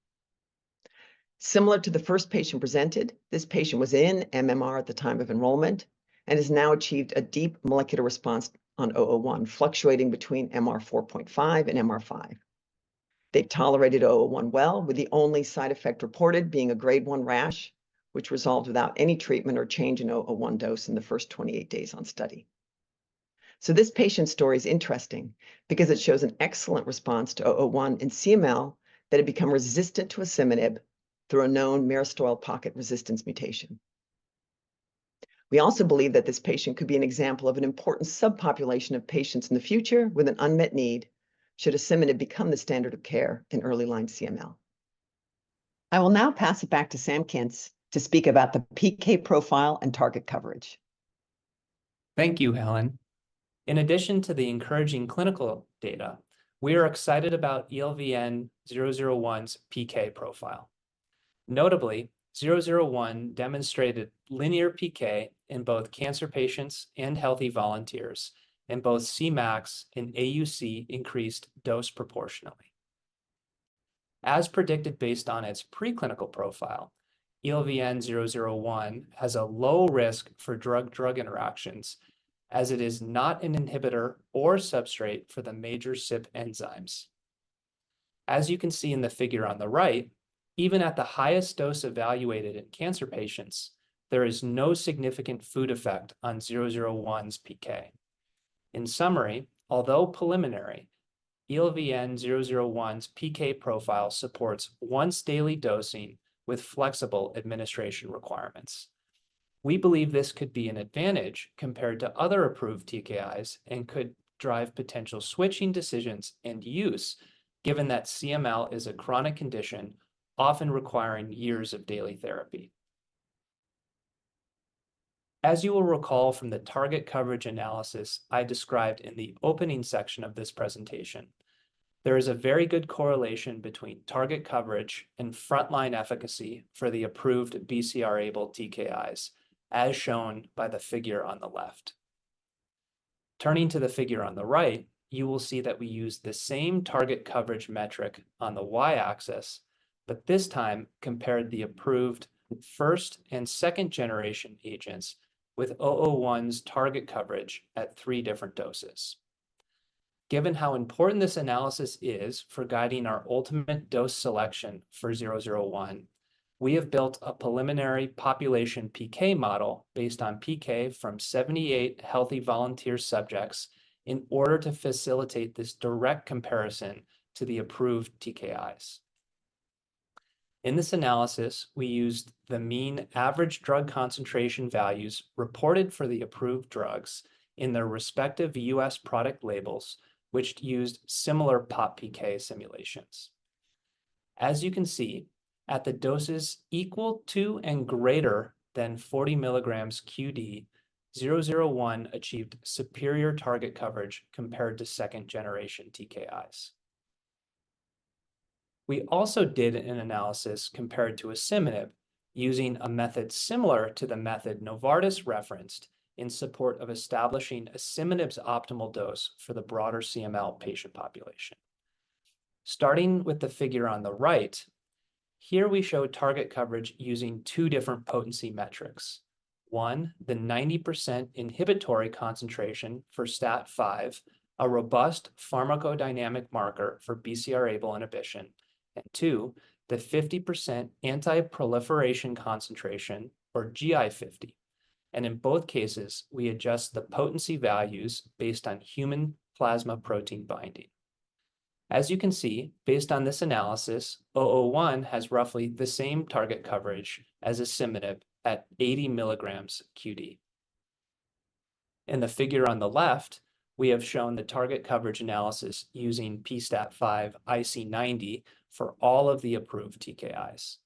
Similar to the first patient presented, this patient was in MMR at the time of enrollment and has now achieved a deep molecular response on ELVN-001, fluctuating between MR4.5 and MR5. They tolerated ELVN-001 well, with the only side effect reported being a grade one rash, which resolved without any treatment or change in ELVN-001 dose in the first 28 days on study. So this patient's story is interesting because it shows an excellent response to ELVN-001 in CML that had become resistant to asciminib through a known myristoyl pocket resistance mutation. We also believe that this patient could be an example of an important subpopulation of patients in the future with an unmet need should asciminib become the standard of care in early-line CML. I will now pass it back to Sam Kintz to speak about the PK profile and target coverage. Thank you, Helen. In addition to the encouraging clinical data, we are excited about ELVN-001's PK profile. Notably, ELVN-001 demonstrated linear PK in both cancer patients and healthy volunteers, and both Cmax and AUC increased dose proportionally. As predicted, based on its preclinical profile, ELVN-001 has a low risk for drug-drug interactions, as it is not an inhibitor or substrate for the major CYP enzymes. As you can see in the figure on the right, even at the highest dose evaluated in cancer patients, there is no significant food effect on ELVN-001's PK. In summary, although preliminary, ELVN-001's PK profile supports once-daily dosing with flexible administration requirements. We believe this could be an advantage compared to other approved TKIs and could drive potential switching decisions and use, given that CML is a chronic condition, often requiring years of daily therapy. As you will recall from the target coverage analysis I described in the opening section of this presentation, there is a very good correlation between target coverage and frontline efficacy for the approved BCR::ABL1 TKIs, as shown by the figure on the left. Turning to the figure on the right, you will see that we use the same target coverage metric on the y-axis, but this time compared the approved first- and second-generation agents with ELVN-001's target coverage at three different doses. Given how important this analysis is for guiding our ultimate dose selection for ELVN-001, we have built a preliminary population PK model based on PK from 78 healthy volunteer subjects in order to facilitate this direct comparison to the approved TKIs. In this analysis, we used the mean average drug concentration values reported for the approved drugs in their respective U.S. product labels, which used similar pop PK simulations. As you can see, at the doses equal to and greater than 40 milligrams QD, 001 achieved superior target coverage compared to second-generation TKIs. We also did an analysis compared to asciminib, using a method similar to the method Novartis referenced in support of establishing asciminib's optimal dose for the broader CML patient population. Starting with the figure on the right, here we show target coverage using two different potency metrics. One, the 90% inhibitory concentration for STAT5, a robust pharmacodynamic marker for BCR::ABL1 inhibition, and two, the 50% anti-proliferation concentration or GI50. And in both cases, we adjust the potency values based on human plasma protein binding. As you can see, based on this analysis, 001 has roughly the same target coverage as asciminib at 80 milligrams QD. In the figure on the left, we have shown the target coverage analysis using pSTAT5 IC90 for all of the approved TKIs.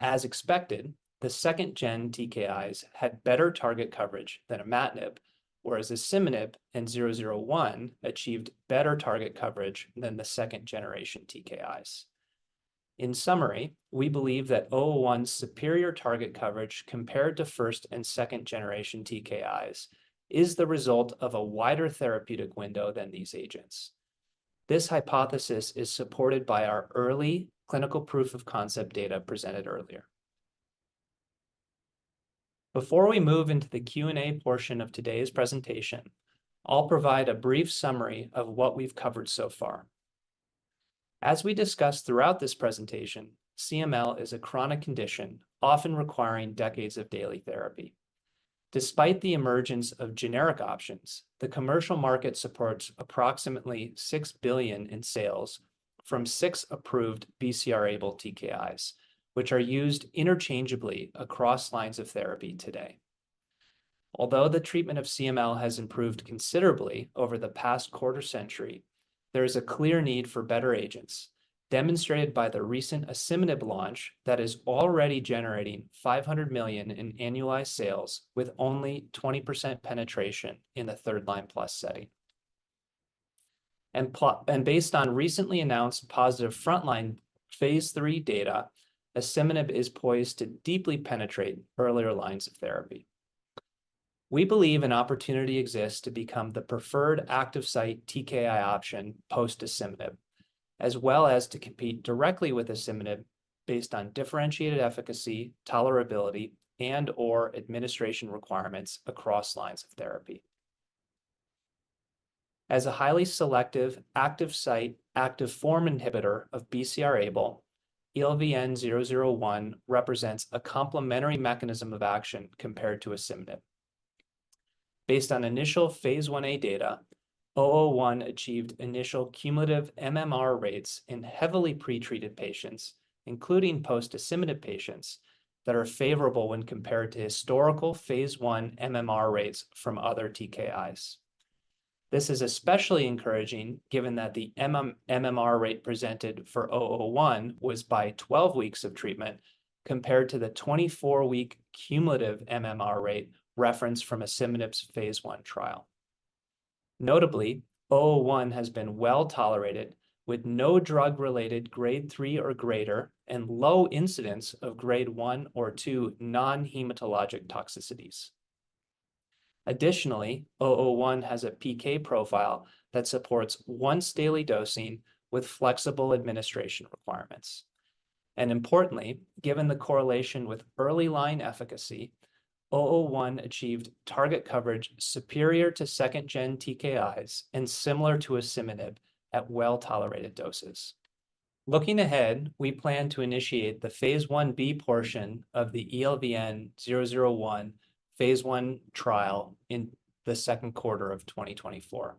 As expected, the second-gen TKIs had better target coverage than imatinib, whereas asciminib and 001 achieved better target coverage than the second-generation TKIs. In summary, we believe that 001's superior target coverage compared to first and second-generation TKIs is the result of a wider therapeutic window than these agents. This hypothesis is supported by our early clinical proof of concept data presented earlier. Before we move into the Q&A portion of today's presentation, I'll provide a brief summary of what we've covered so far. As we discussed throughout this presentation, CML is a chronic condition, often requiring decades of daily therapy. Despite the emergence of generic options, the commercial market supports approximately $6 billion in sales from six approved BCR::ABL1 TKIs, which are used interchangeably across lines of therapy today. Although the treatment of CML has improved considerably over the past quarter-century, there is a clear need for better agents, demonstrated by the recent asciminib launch that is already generating $500 million in annualized sales, with only 20% penetration in the third-line plus setting. Based on recently announced positive frontline phase III data, asciminib is poised to deeply penetrate earlier lines of therapy. We believe an opportunity exists to become the preferred active site TKI option post asciminib, as well as to compete directly with asciminib based on differentiated efficacy, tolerability, and/or administration requirements across lines of therapy. As a highly selective active site, active form inhibitor of BCR::ABL1, ELVN-001 represents a complementary mechanism of action compared to asciminib. Based on initial phase I-A data, ELVN-001 achieved initial cumulative MMR rates in heavily pretreated patients, including post-asciminib patients, that are favorable when compared to historical phase I MMR rates from other TKIs. This is especially encouraging, given that the MMR rate presented for ELVN-001 was by 12 weeks of treatment, compared to the 24-week cumulative MMR rate referenced from asciminib's phase I trial. Notably, ELVN-001 has been well-tolerated, with no drug-related Grade 3 or greater and low incidence of Grade 1/2 non-hematologic toxicities. Additionally, ELVN-001 has a PK profile that supports once-daily dosing with flexible administration requirements. Importantly, given the correlation with early line efficacy, 001 achieved target coverage superior to second-gen TKIs and similar to asciminib at well-tolerated doses. Looking ahead, we plan to initiate the phase I-B portion of the ELVN-001 phase I trial in the second quarter of 2024.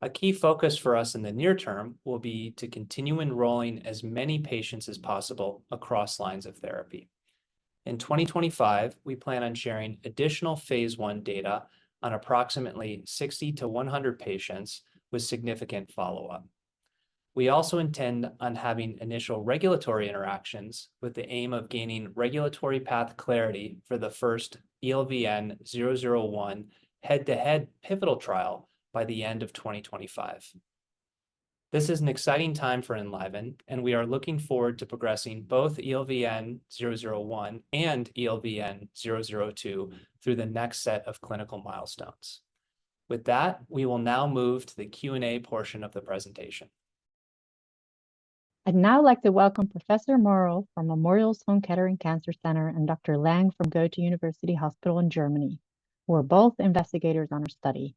A key focus for us in the near term will be to continue enrolling as many patients as possible across lines of therapy. In 2025, we plan on sharing additional phase I data on approximately 60-100 patients with significant follow-up. We also intend on having initial regulatory interactions with the aim of gaining regulatory path clarity for the first ELVN-001 head-to-head pivotal trial by the end of 2025. This is an exciting time for Enliven, and we are looking forward to progressing both ELVN-001 and ELVN-002 through the next set of clinical milestones. With that, we will now move to the Q&A portion of the presentation. I'd now like to welcome Professor Mauro from Memorial Sloan Kettering Cancer Center and Dr. Lang from Goethe University Hospital in Germany, who are both investigators on our study...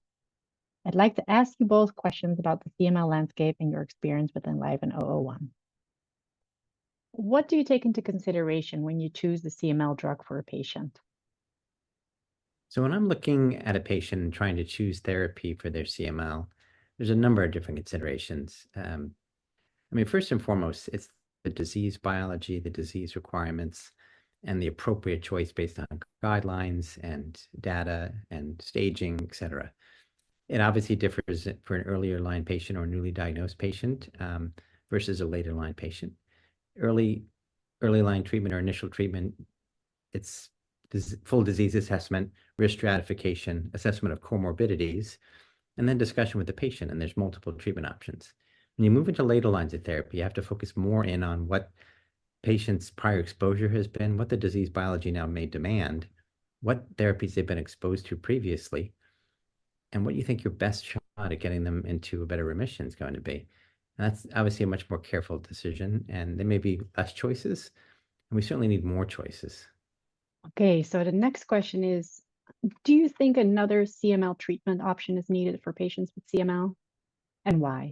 I'd like to ask you both questions about the CML landscape and your experience with Enliven and 001. What do you take into consideration when you choose the CML drug for a patient? So when I'm looking at a patient and trying to choose therapy for their CML, there's a number of different considerations. I mean, first and foremost, it's the disease biology, the disease requirements, and the appropriate choice based on guidelines and data and staging, et cetera. It obviously differs for an earlier line patient or newly diagnosed patient, versus a later line patient. Early line treatment or initial treatment, it's full disease assessment, risk stratification, assessment of comorbidities, and then discussion with the patient, and there's multiple treatment options. When you move into later lines of therapy, you have to focus more in on what the patient's prior exposure has been, what the disease biology now may demand, what therapies they've been exposed to previously, and what you think your best shot at getting them into a better remission is going to be. That's obviously a much more careful decision, and there may be less choices, and we certainly need more choices. Okay, so the next question is: do you think another CML treatment option is needed for patients with CML, and why?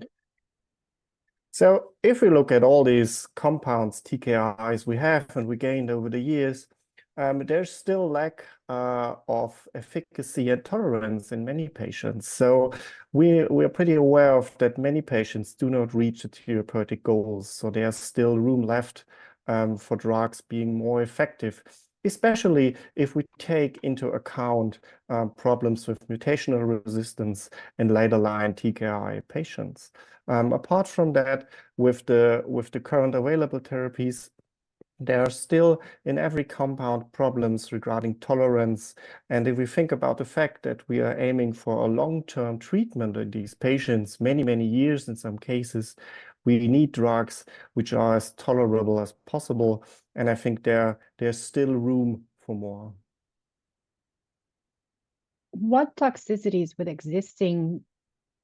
So if we look at all these compounds, TKIs, we have and we gained over the years, there's still lack of efficacy and tolerance in many patients. So we, we're pretty aware of that many patients do not reach the therapeutic goals, so there's still room left for drugs being more effective, especially if we take into account problems with mutational resistance in later line TKI patients. Apart from that, with the current available therapies, there are still, in every compound, problems regarding tolerance, and if we think about the fact that we are aiming for a long-term treatment in these patients, many, many years in some cases, we need drugs which are as tolerable as possible, and I think there's still room for more. What toxicities with existing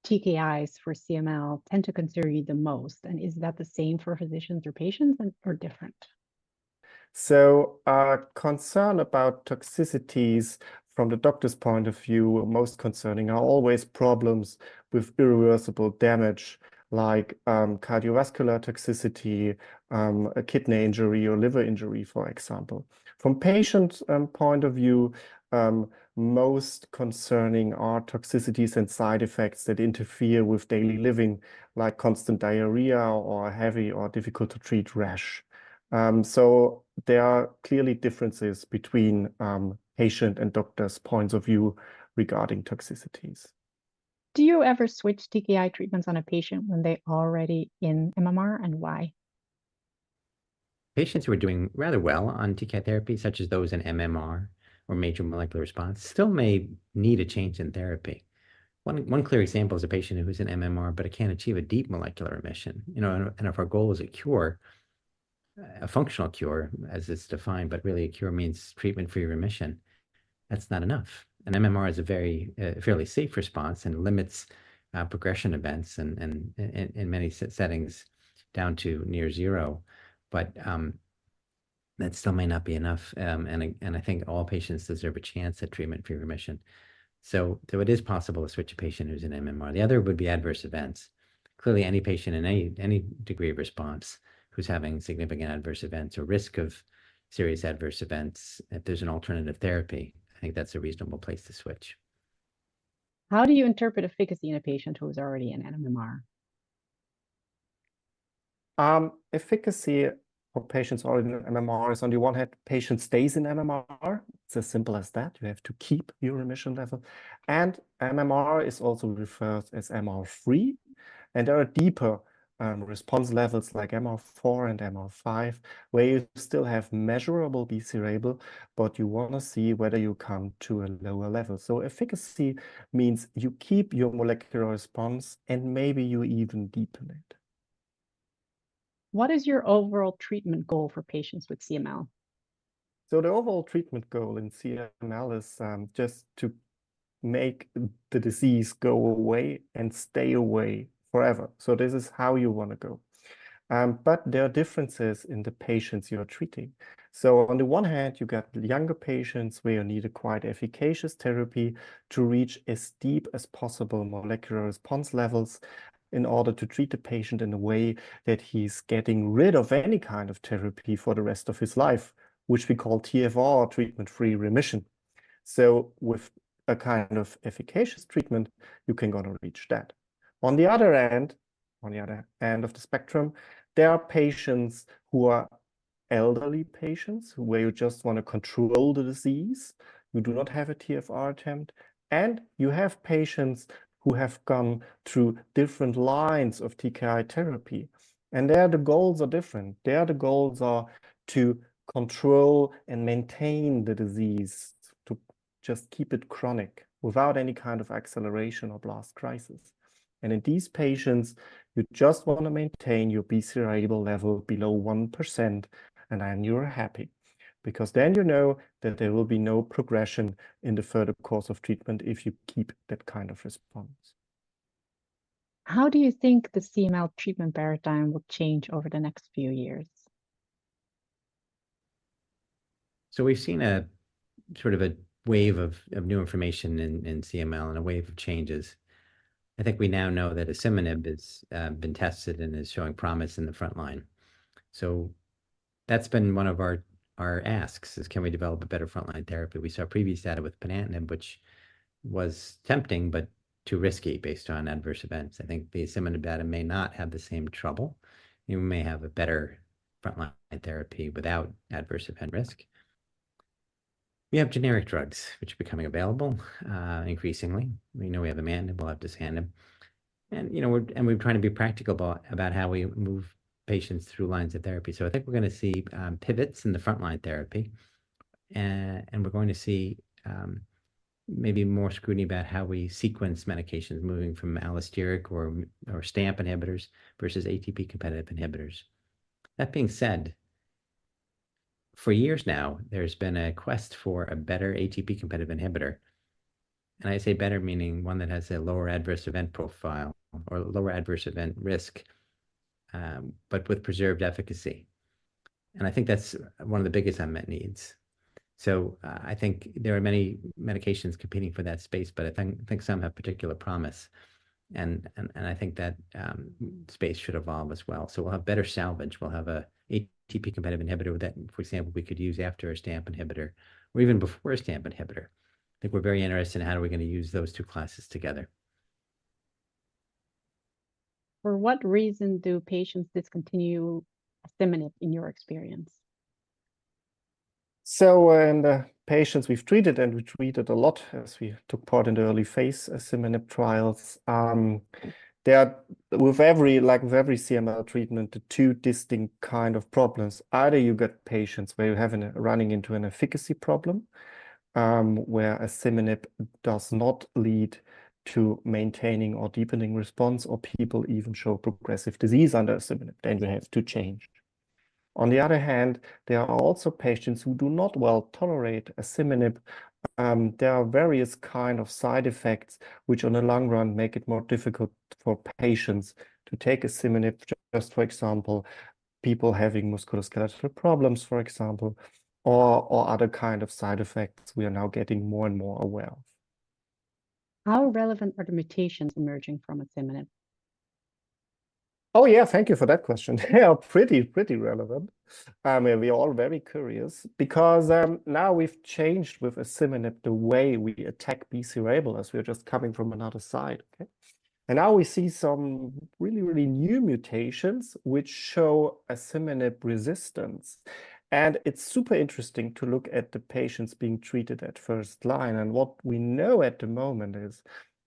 TKIs for CML tend to concern you the most, and is that the same for physicians or patients and... or different? So our concern about toxicities from the doctor's point of view, most concerning, are always problems with irreversible damage, like, cardiovascular toxicity, a kidney injury or liver injury, for example. From patient's point of view, most concerning are toxicities and side effects that interfere with daily living, like constant diarrhea or heavy or difficult to treat rash. So there are clearly differences between patient and doctor's points of view regarding toxicities. Do you ever switch TKI treatments on a patient when they're already in MMR, and why? Patients who are doing rather well on TKI therapy, such as those in MMR or major molecular response, still may need a change in therapy. One clear example is a patient who's in MMR but can't achieve a deep molecular remission. You know, and if our goal is a cure, a functional cure, as it's defined, but really a cure means treatment-free remission, that's not enough. And MMR is a very, fairly safe response and limits, progression events and in many settings down to near zero, but that still may not be enough. And I think all patients deserve a chance at treatment-free remission. So though it is possible to switch a patient who's in MMR. The other would be adverse events. Clearly, any patient in any degree of response who's having significant adverse events or risk of serious adverse events, if there's an alternative therapy, I think that's a reasonable place to switch. How do you interpret efficacy in a patient who is already in MMR? Efficacy for patients already in MMR is, on the one hand, patient stays in MMR. It's as simple as that. You have to keep your remission level. MMR is also referred as MR3, and there are deeper response levels like MR4 and MR5, where you still have measurable BCR::ABL1, but you wanna see whether you come to a lower level. So efficacy means you keep your molecular response, and maybe you even deepen it. What is your overall treatment goal for patients with CML? So the overall treatment goal in CML is just to make the disease go away and stay away forever. So this is how you wanna go. But there are differences in the patients you are treating. So on the one hand, you got the younger patients, where you need a quite efficacious therapy to reach as deep as possible molecular response levels in order to treat the patient in a way that he's getting rid of any kind of therapy for the rest of his life, which we call TFR, treatment-free remission. So with a kind of efficacious treatment, you can gonna reach that. On the other hand, on the other hand of the spectrum, there are patients who are elderly patients, where you just wanna control the disease. You do not have a TFR attempt, and you have patients who have gone through different lines of TKI therapy, and there, the goals are different. There, the goals are to control and maintain the disease, to just keep it chronic without any kind of acceleration or blast crisis. In these patients, you just wanna maintain your BCR::ABL1 level below 1%, and then you're happy. Because then you know that there will be no progression in the further course of treatment if you keep that kind of response. How do you think the CML treatment paradigm will change over the next few years? So we've seen a sort of a wave of new information in CML and a wave of changes. I think we now know that asciminib is been tested and is showing promise in the front line. So that's been one of our asks, is can we develop a better front line therapy? We saw previous data with ponatinib, which was tempting, but too risky based on adverse events. I think the asciminib data may not have the same trouble, and we may have a better front line therapy without adverse event risk. We have generic drugs, which are becoming available increasingly. We know we have imatinib, we'll have dasatinib, and, you know, and we're trying to be practical about how we move patients through lines of therapy. So I think we're gonna see pivots in the front line therapy, and we're going to see maybe more scrutiny about how we sequence medications moving from allosteric or STAMP inhibitors versus ATP-competitive inhibitors. That being said, for years now, there's been a quest for a better ATP-competitive inhibitor, and I say better meaning one that has a lower adverse event profile or lower adverse event risk, but with preserved efficacy, and I think that's one of the biggest unmet needs. So I think there are many medications competing for that space, but I think some have particular promise, and I think that space should evolve as well. So we'll have better salvage. We'll have a ATP-competitive inhibitor with that, for example, we could use after a STAMP inhibitor or even before a STAMP inhibitor. I think we're very interested in how are we gonna use those two classes together. For what reason do patients discontinue asciminib in your experience? So in the patients we've treated, and we treated a lot as we took part in the early phase asciminib trials, there are, like with every CML treatment, the two distinct kind of problems. Either you get patients where you're running into an efficacy problem, where asciminib does not lead to maintaining or deepening response, or people even show progressive disease under asciminib, then you have to change. On the other hand, there are also patients who do not well tolerate asciminib. There are various kind of side effects, which on the long run, make it more difficult for patients to take asciminib, just, for example, people having musculoskeletal problems, for example, or other kind of side effects we are now getting more and more aware of. How relevant are the mutations emerging from asciminib? Oh, yeah, thank you for that question. They are pretty, pretty relevant. I mean, we are all very curious because, now we've changed with asciminib the way we attack BCR::ABL1 as we're just coming from another side, okay? And now we see some really, really new mutations, which show asciminib resistance, and it's super interesting to look at the patients being treated at first line. And what we know at the moment is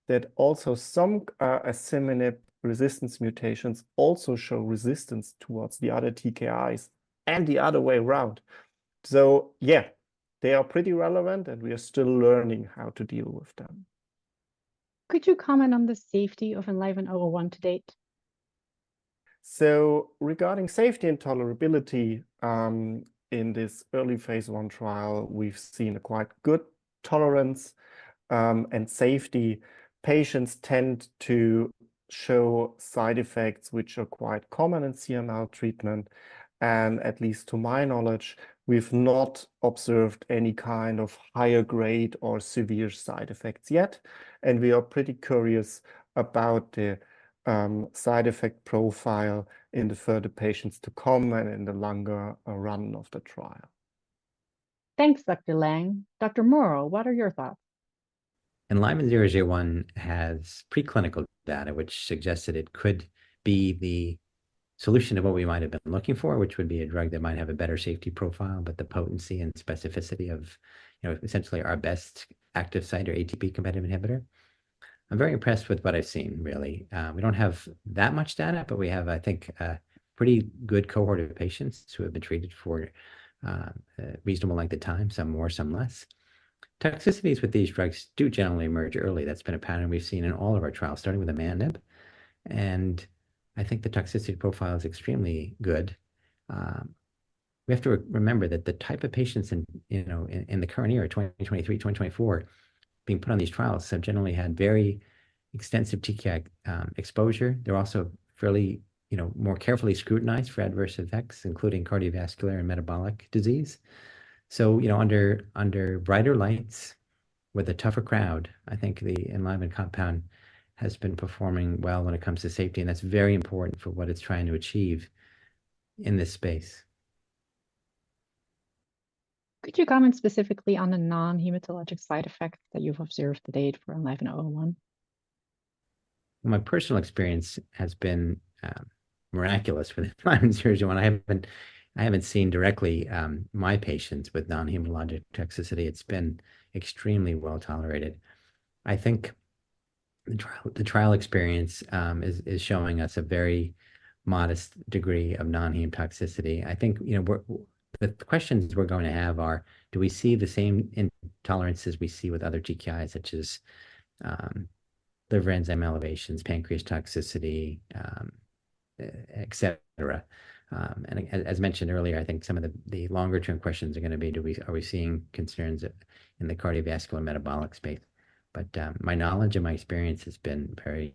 that also some, asciminib resistance mutations also show resistance towards the other TKIs and the other way around. So yeah, they are pretty relevant, and we are still learning how to deal with them. Could you comment on the safety of ELVN-001 to date? So regarding safety and tolerability, in this early phase I trial, we've seen a quite good tolerance, and safety. Patients tend to show side effects which are quite common in CML treatment, and at least to my knowledge, we've not observed any kind of higher grade or severe side effects yet. And we are pretty curious about the side effect profile in the further patients to come and in the longer run of the trial. Thanks, Dr. Lang. Dr. Mauro, what are your thoughts? ELVN-001 has preclinical data, which suggests that it could be the solution to what we might have been looking for, which would be a drug that might have a better safety profile, but the potency and specificity of, you know, essentially our best active site or ATP-competitive inhibitor. I'm very impressed with what I've seen, really. We don't have that much data, but we have, I think, a pretty good cohort of patients who have been treated for a reasonable length of time, some more, some less. Toxicities with these drugs do generally emerge early. That's been a pattern we've seen in all of our trials, starting with imatinib, and I think the toxicity profile is extremely good. We have to remember that the type of patients in, you know, in the current year, 2023, 2024, being put on these trials have generally had very extensive TKI exposure. They're also fairly, you know, more carefully scrutinized for adverse effects, including cardiovascular and metabolic disease. So, you know, under brighter lights, with a tougher crowd, I think the Enliven compound has been performing well when it comes to safety, and that's very important for what it's trying to achieve in this space. Could you comment specifically on the non-hematologic side effects that you've observed to date for ELVN-001? My personal experience has been miraculous with ELVN-001. I haven't seen directly my patients with non-hematologic toxicity. It's been extremely well-tolerated. I think the trial experience is showing us a very modest degree of non-hem toxicity. I think, you know, the questions we're going to have are, do we see the same intolerances we see with other TKIs, such as liver enzyme elevations, pancreas toxicity, et cetera? And as mentioned earlier, I think some of the longer-term questions are gonna be, are we seeing concerns in the cardiovascular and metabolic space? But my knowledge and my experience has been very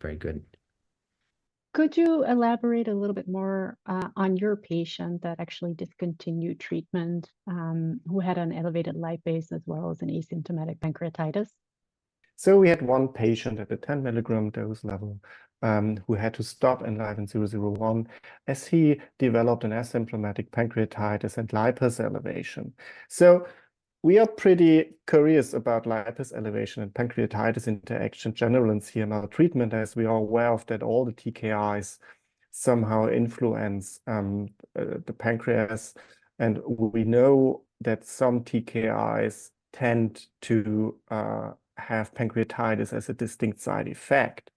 very good.... Could you elaborate a little bit more on your patient that actually discontinued treatment, who had an elevated lipase as well as an asymptomatic pancreatitis? We had one patient at the 10-milligram dose level, who had to stop ELVN-001 as he developed an asymptomatic pancreatitis and lipase elevation. We are pretty curious about lipase elevation and pancreatitis interaction generally in CML treatment, as we are aware that all the TKIs somehow influence the pancreas, and we know that some TKIs tend to have pancreatitis as a distinct side effect.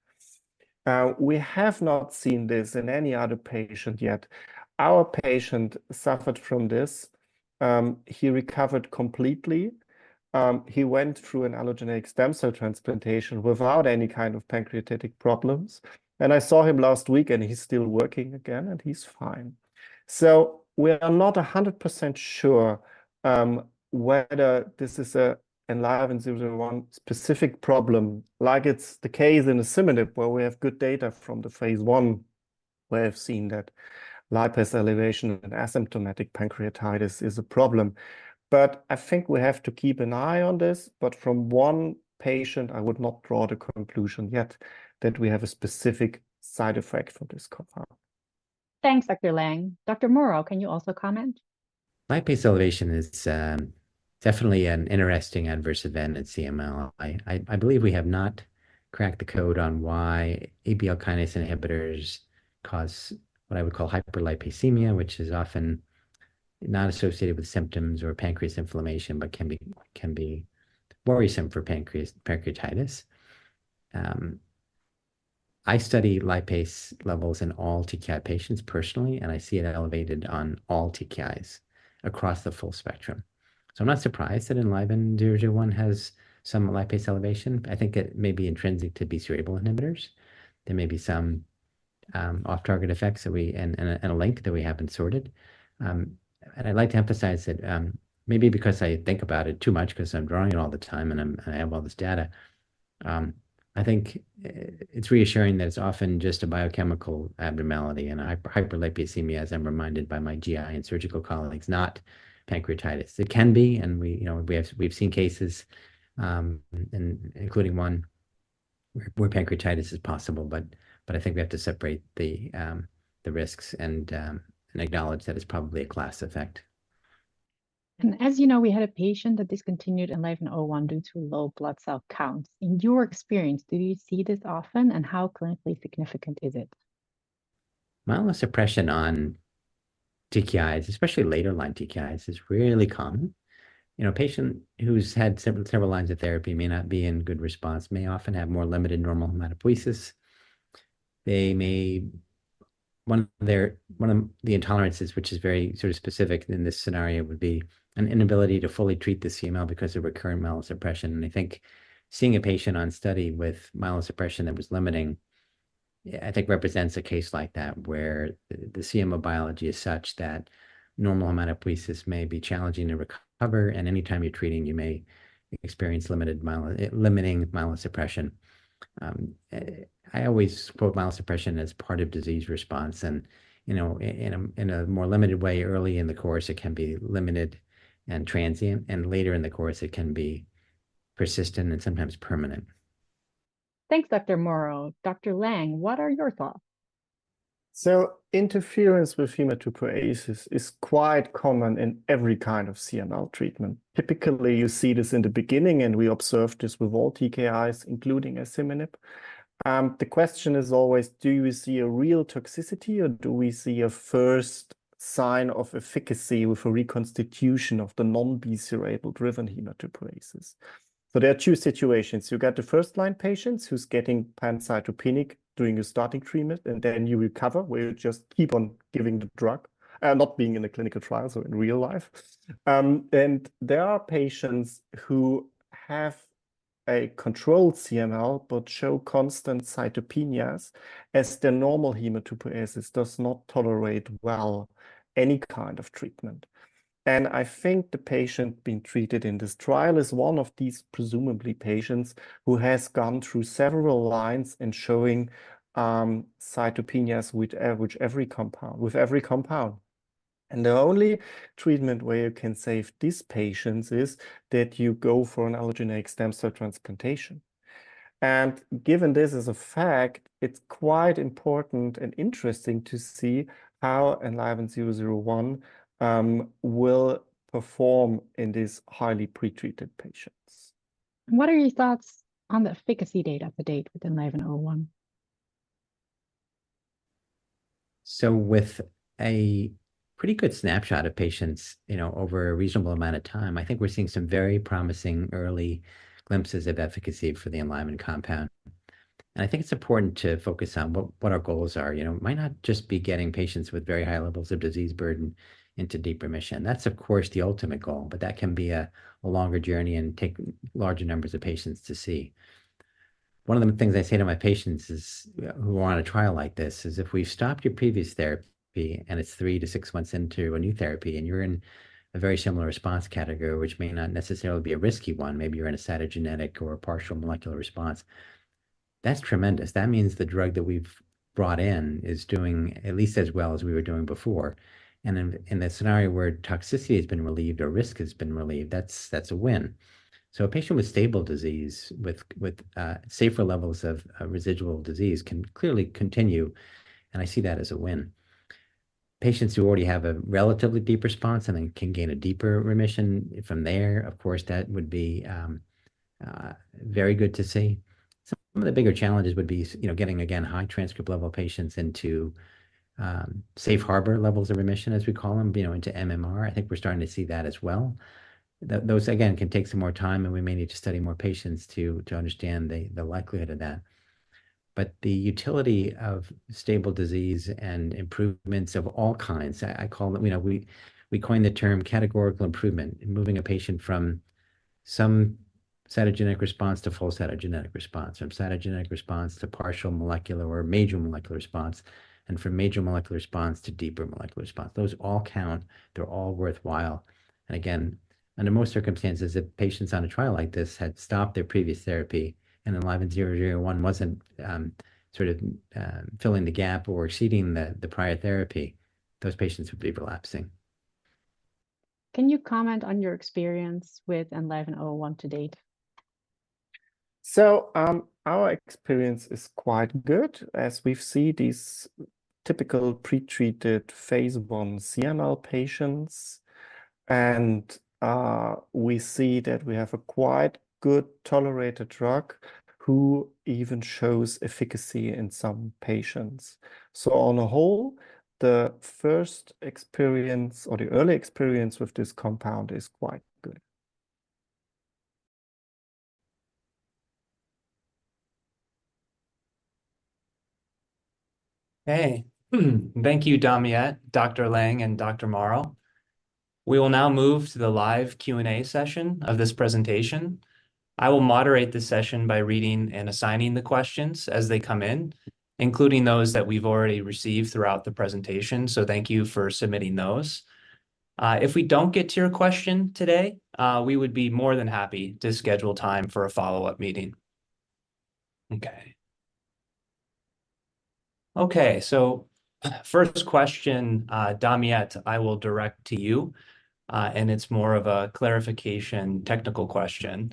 We have not seen this in any other patient yet. Our patient suffered from this. He recovered completely. He went through an allogeneic stem cell transplantation without any kind of pancreatic problems. I saw him last week, and he's still working again, and he's fine. So we are not 100% sure whether this is an ELVN-001 specific problem, like it's the case in asciminib, where we have good data from the phase I, where we've seen that lipase elevation and asymptomatic pancreatitis is a problem. But I think we have to keep an eye on this, but from one patient, I would not draw the conclusion yet that we have a specific side effect for this compound. Thanks, Dr. Lang. Dr. Mauro, can you also comment? Lipase elevation is definitely an interesting adverse event in CML. I believe we have not cracked the code on why ABL kinase inhibitors cause what I would call hyperlipasemia, which is often not associated with symptoms or pancreas inflammation, but can be worrisome for pancreatitis. I study lipase levels in all TKI patients personally, and I see it elevated on all TKIs across the full spectrum. So I'm not surprised that ELVN-001 has some lipase elevation. I think it may be intrinsic to BCR::ABL1 inhibitors. There may be some off-target effects and a link that we haven't sorted. I'd like to emphasize that, maybe because I think about it too much, 'cause I'm drawing it all the time, and I have all this data, I think it's reassuring that it's often just a biochemical abnormality, and hyperlipemia, as I'm reminded by my GI and surgical colleagues, not pancreatitis. It can be, and we, you know, we've seen cases, including one where pancreatitis is possible, but I think we have to separate the risks and acknowledge that it's probably a class effect. As you know, we had a patient that discontinued ELVN-001 due to low blood cell counts. In your experience, do you see this often, and how clinically significant is it? Myelosuppression on TKIs, especially later-line TKIs, is really common. You know, a patient who's had several, several lines of therapy may not be in good response, may often have more limited normal hematopoiesis. They may one of their, one of the intolerances, which is very sort of specific in this scenario, would be an inability to fully treat the CML because of recurrent myelosuppression. And I think seeing a patient on study with myelosuppression that was limiting, I think, represents a case like that, where the CML biology is such that normal hematopoiesis may be challenging to recover, and any time you're treating, you may experience limiting myelosuppression. I always quote myelosuppression as part of disease response and, you know, in a more limited way, early in the course, it can be limited and transient, and later in the course, it can be persistent and sometimes permanent. Thanks, Dr. Mauro. Dr. Lang, what are your thoughts? So interference with hematopoiesis is quite common in every kind of CML treatment. Typically, you see this in the beginning, and we observe this with all TKIs, including asciminib. The question is always: Do you see a real toxicity, or do we see a first sign of efficacy with a reconstitution of the non-BCR::ABL1-driven hematopoiesis? So there are two situations. You got the first-line patients, who's getting pancytopenic during a starting treatment, and then you recover, where you just keep on giving the drug, not being in a clinical trial, so in real life. And there are patients who have a controlled CML but show constant cytopenias, as the normal hematopoiesis does not tolerate well any kind of treatment. I think the patient being treated in this trial is one of these, presumably, patients who has gone through several lines and showing cytopenias with every compound. The only treatment where you can save these patients is that you go for an allogeneic stem cell transplantation. Given this as a fact, it's quite important and interesting to see how ELVN-001 will perform in these highly pretreated patients. What are your thoughts on the efficacy data to date with ELVN-001? So with a pretty good snapshot of patients, you know, over a reasonable amount of time, I think we're seeing some very promising early glimpses of efficacy for the Enliven compound. And I think it's important to focus on what, what our goals are. You know, it might not just be getting patients with very high levels of disease burden into deep remission. That's, of course, the ultimate goal, but that can be a, a longer journey and take larger numbers of patients to see. One of the things I say to my patients is, who are on a trial like this, is if we've stopped your previous therapy, and it's three to six months into a new therapy, and you're in a very similar response category, which may not necessarily be a risky one, maybe you're in a cytogenetic or a partial molecular response. That's tremendous. That means the drug that we've brought in is doing at least as well as we were doing before. And in the scenario where toxicity has been relieved or risk has been relieved, that's a win. So a patient with stable disease with safer levels of residual disease can clearly continue, and I see that as a win. Patients who already have a relatively deep response and then can gain a deeper remission from there, of course, that would be very good to see. Some of the bigger challenges would be, you know, getting, again, high transcript level patients into safe harbor levels of remission, as we call them, you know, into MMR. I think we're starting to see that as well. Those, again, can take some more time, and we may need to study more patients to understand the likelihood of that. But the utility of stable disease and improvements of all kinds, I call them... You know, we coined the term categorical improvement, moving a patient from some cytogenetic response to full cytogenetic response, from cytogenetic response to partial molecular or major molecular response, and from major molecular response to deeper molecular response. Those all count. They're all worthwhile. And again, under most circumstances, if patients on a trial like this had stopped their previous therapy, and then ELVN-001 wasn't, sort of, filling the gap or exceeding the prior therapy, those patients would be relapsing. Can you comment on your experience with ELVN-001 to date? So, our experience is quite good, as we've seen these typical pre-treated phase I CML patients, and, we see that we have a quite good tolerated drug, who even shows efficacy in some patients. So on a whole, the first experience or the early experience with this compound is quite good. Hey. Thank you, Damiette, Dr. Lang, and Dr. Mauro. We will now move to the live Q&A session of this presentation. I will moderate the session by reading and assigning the questions as they come in, including those that we've already received throughout the presentation, so thank you for submitting those. If we don't get to your question today, we would be more than happy to schedule time for a follow-up meeting. First question, Damiette, I will direct to you, and it's more of a clarification, technical question.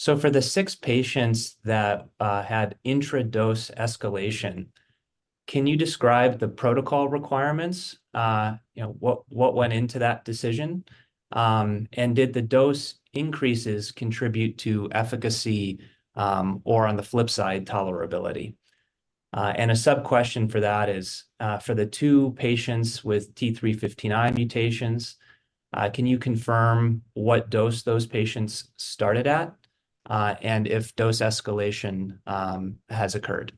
For the six patients that had intra-dose escalation, can you describe the protocol requirements? You know, what went into that decision? And did the dose increases contribute to efficacy, or on the flip side, tolerability? And a sub-question for that is, for the two patients with T315I mutations, can you confirm what dose those patients started at, and if dose escalation has occurred?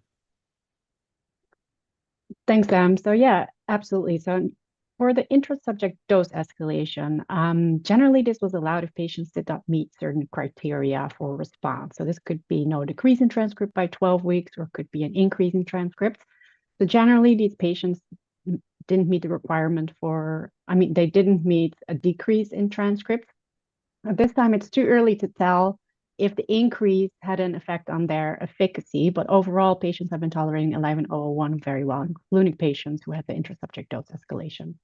Thanks, Sam. So yeah, absolutely. So for the intra-subject dose escalation, generally, this was allowed if patients did not meet certain criteria for response. So this could be no decrease in transcript by 12 weeks or could be an increase in transcripts. So generally, these patients didn't meet the requirement for... I mean, they didn't meet a decrease in transcript. At this time, it's too early to tell if the increase had an effect on their efficacy, but overall, patients have been tolerating ELVN-001 very well, including patients who had the intra-subject dose escalation.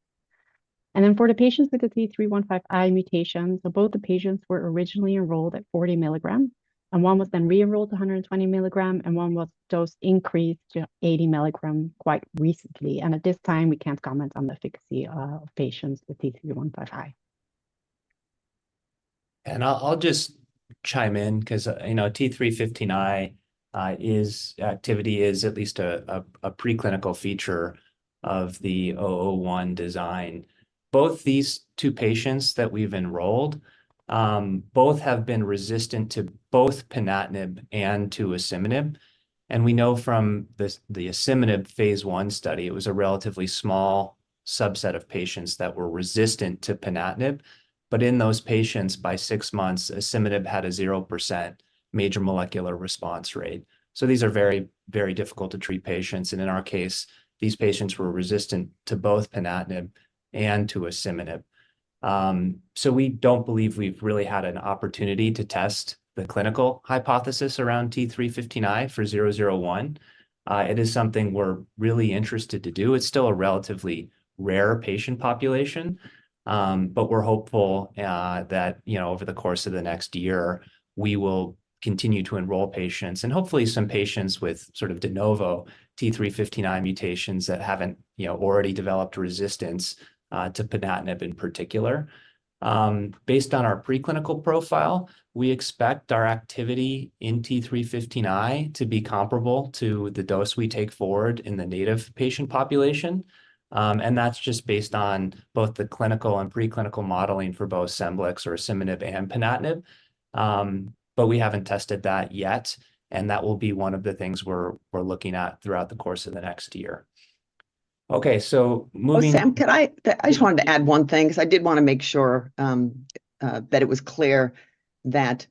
And then for the patients with the T315I mutation, so both the patients were originally enrolled at 40 mg, and one was then re-enrolled to 120 mg, and one was dose increased to 80 mg quite recently. At this time, we can't comment on the efficacy of patients with T315I. And I'll just chime in because, you know, T315I activity is at least a preclinical feature of the ELVN-001 design. Both these two patients that we've enrolled, both have been resistant to both ponatinib and to asciminib. And we know from this, the asciminib phase I study, it was a relatively small subset of patients that were resistant to ponatinib. But in those patients, by six months, asciminib had a 0% major molecular response rate. So these are very, very difficult to treat patients, and in our case, these patients were resistant to both ponatinib and to asciminib. So we don't believe we've really had an opportunity to test the clinical hypothesis around T315I for ELVN-001. It is something we're really interested to do. It's still a relatively rare patient population, but we're hopeful that, you know, over the course of the next year, we will continue to enroll patients, and hopefully, some patients with sort of de novo T315I mutations that haven't, you know, already developed resistance to ponatinib in particular. Based on our preclinical profile, we expect our activity in T315I to be comparable to the dose we take forward in the native patient population. And that's just based on both the clinical and preclinical modeling for both Scemblix or asciminib and ponatinib. But we haven't tested that yet, and that will be one of the things we're looking at throughout the course of the next year. Okay, so moving- Oh, Sam, could I. I just wanted to add one thing because I did wanna make sure that it was clear that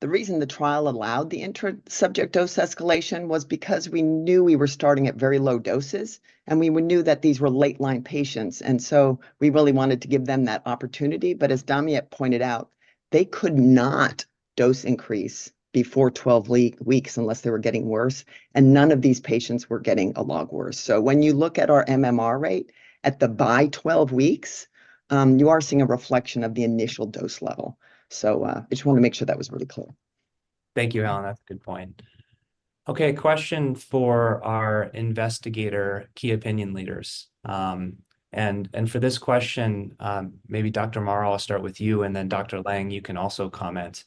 the reason the trial allowed the intra-subject dose escalation was because we knew we were starting at very low doses, and we knew that these were late-line patients, and so we really wanted to give them that opportunity. But as Damiette pointed out, they could not dose increase before 12 weeks, unless they were getting worse, and none of these patients were getting a lot worse. So when you look at our MMR rate by 12 weeks, you are seeing a reflection of the initial dose level. So, I just wanna make sure that was really clear. Thank you, Helen. That's a good point. Okay, question for our investigator, key opinion leaders. For this question, maybe Dr. Mauro, I'll start with you, and then Dr. Lang, you can also comment.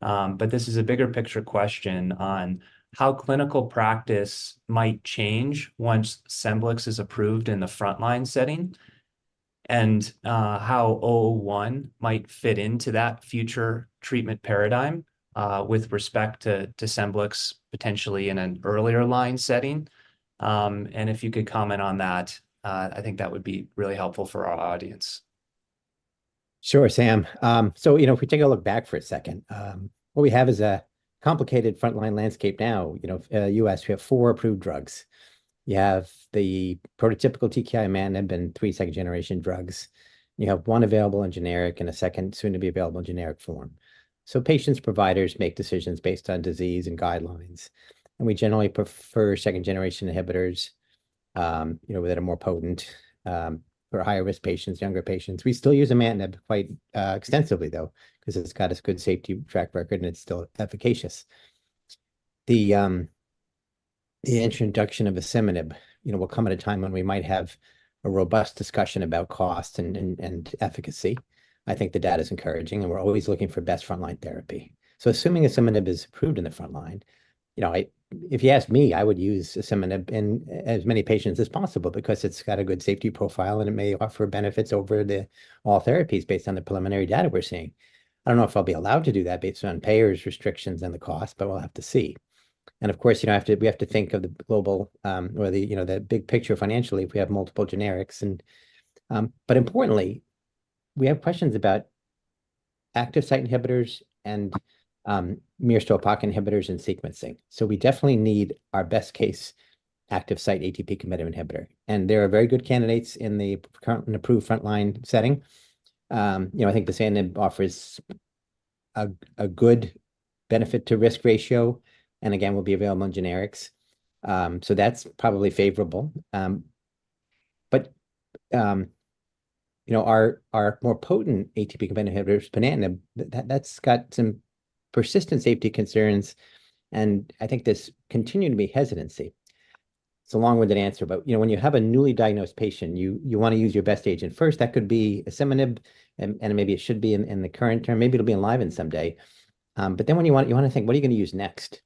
But this is a bigger picture question on how clinical practice might change once Scemblix is approved in the frontline setting, and how ELVN-001 might fit into that future treatment paradigm, with respect to Scemblix, potentially in an earlier line setting. And if you could comment on that, I think that would be really helpful for our audience. Sure, Sam. So, you know, if we take a look back for a second, what we have is a complicated frontline landscape now. You know, U.S., we have four approved drugs. You have the prototypical TKI imatinib and three second-generation drugs. You have one available in generic and a second soon to be available in generic form. So patients, providers make decisions based on disease and guidelines, and we generally prefer second-generation inhibitors, you know, that are more potent, for higher-risk patients, younger patients. We still use imatinib quite extensively, though, 'cause it's got this good safety track record, and it's still efficacious. The introduction of asciminib, you know, will come at a time when we might have a robust discussion about cost and efficacy. I think the data's encouraging, and we're always looking for best frontline therapy. So assuming asciminib is approved in the frontline, you know, if you ask me, I would use asciminib in as many patients as possible because it's got a good safety profile, and it may offer benefits over all therapies based on the preliminary data we're seeing. I don't know if I'll be allowed to do that based on payers' restrictions and the cost, but we'll have to see. And of course, you know, I have to... We have to think of the global, or the, you know, the big picture financially if we have multiple generics. And, but importantly, we have questions about active site inhibitors and myristoyl inhibitors and sequencing. So we definitely need our best-case active site ATP-competitive inhibitor, and there are very good candidates in the current and approved frontline setting. You know, I think dasatinib offers a good benefit-to-risk ratio and, again, will be available in generics. So that's probably favorable. But, you know, our more potent ATP-competitive inhibitor, ponatinib, that's got some persistent safety concerns, and I think there's continuing to be hesitancy. It's a long-winded answer, but, you know, when you have a newly diagnosed patient, you wanna use your best agent first. That could be asciminib, and maybe it should be in the current term. Maybe it'll be Enliven someday. But then when you wanna think, "What are you gonna use next?"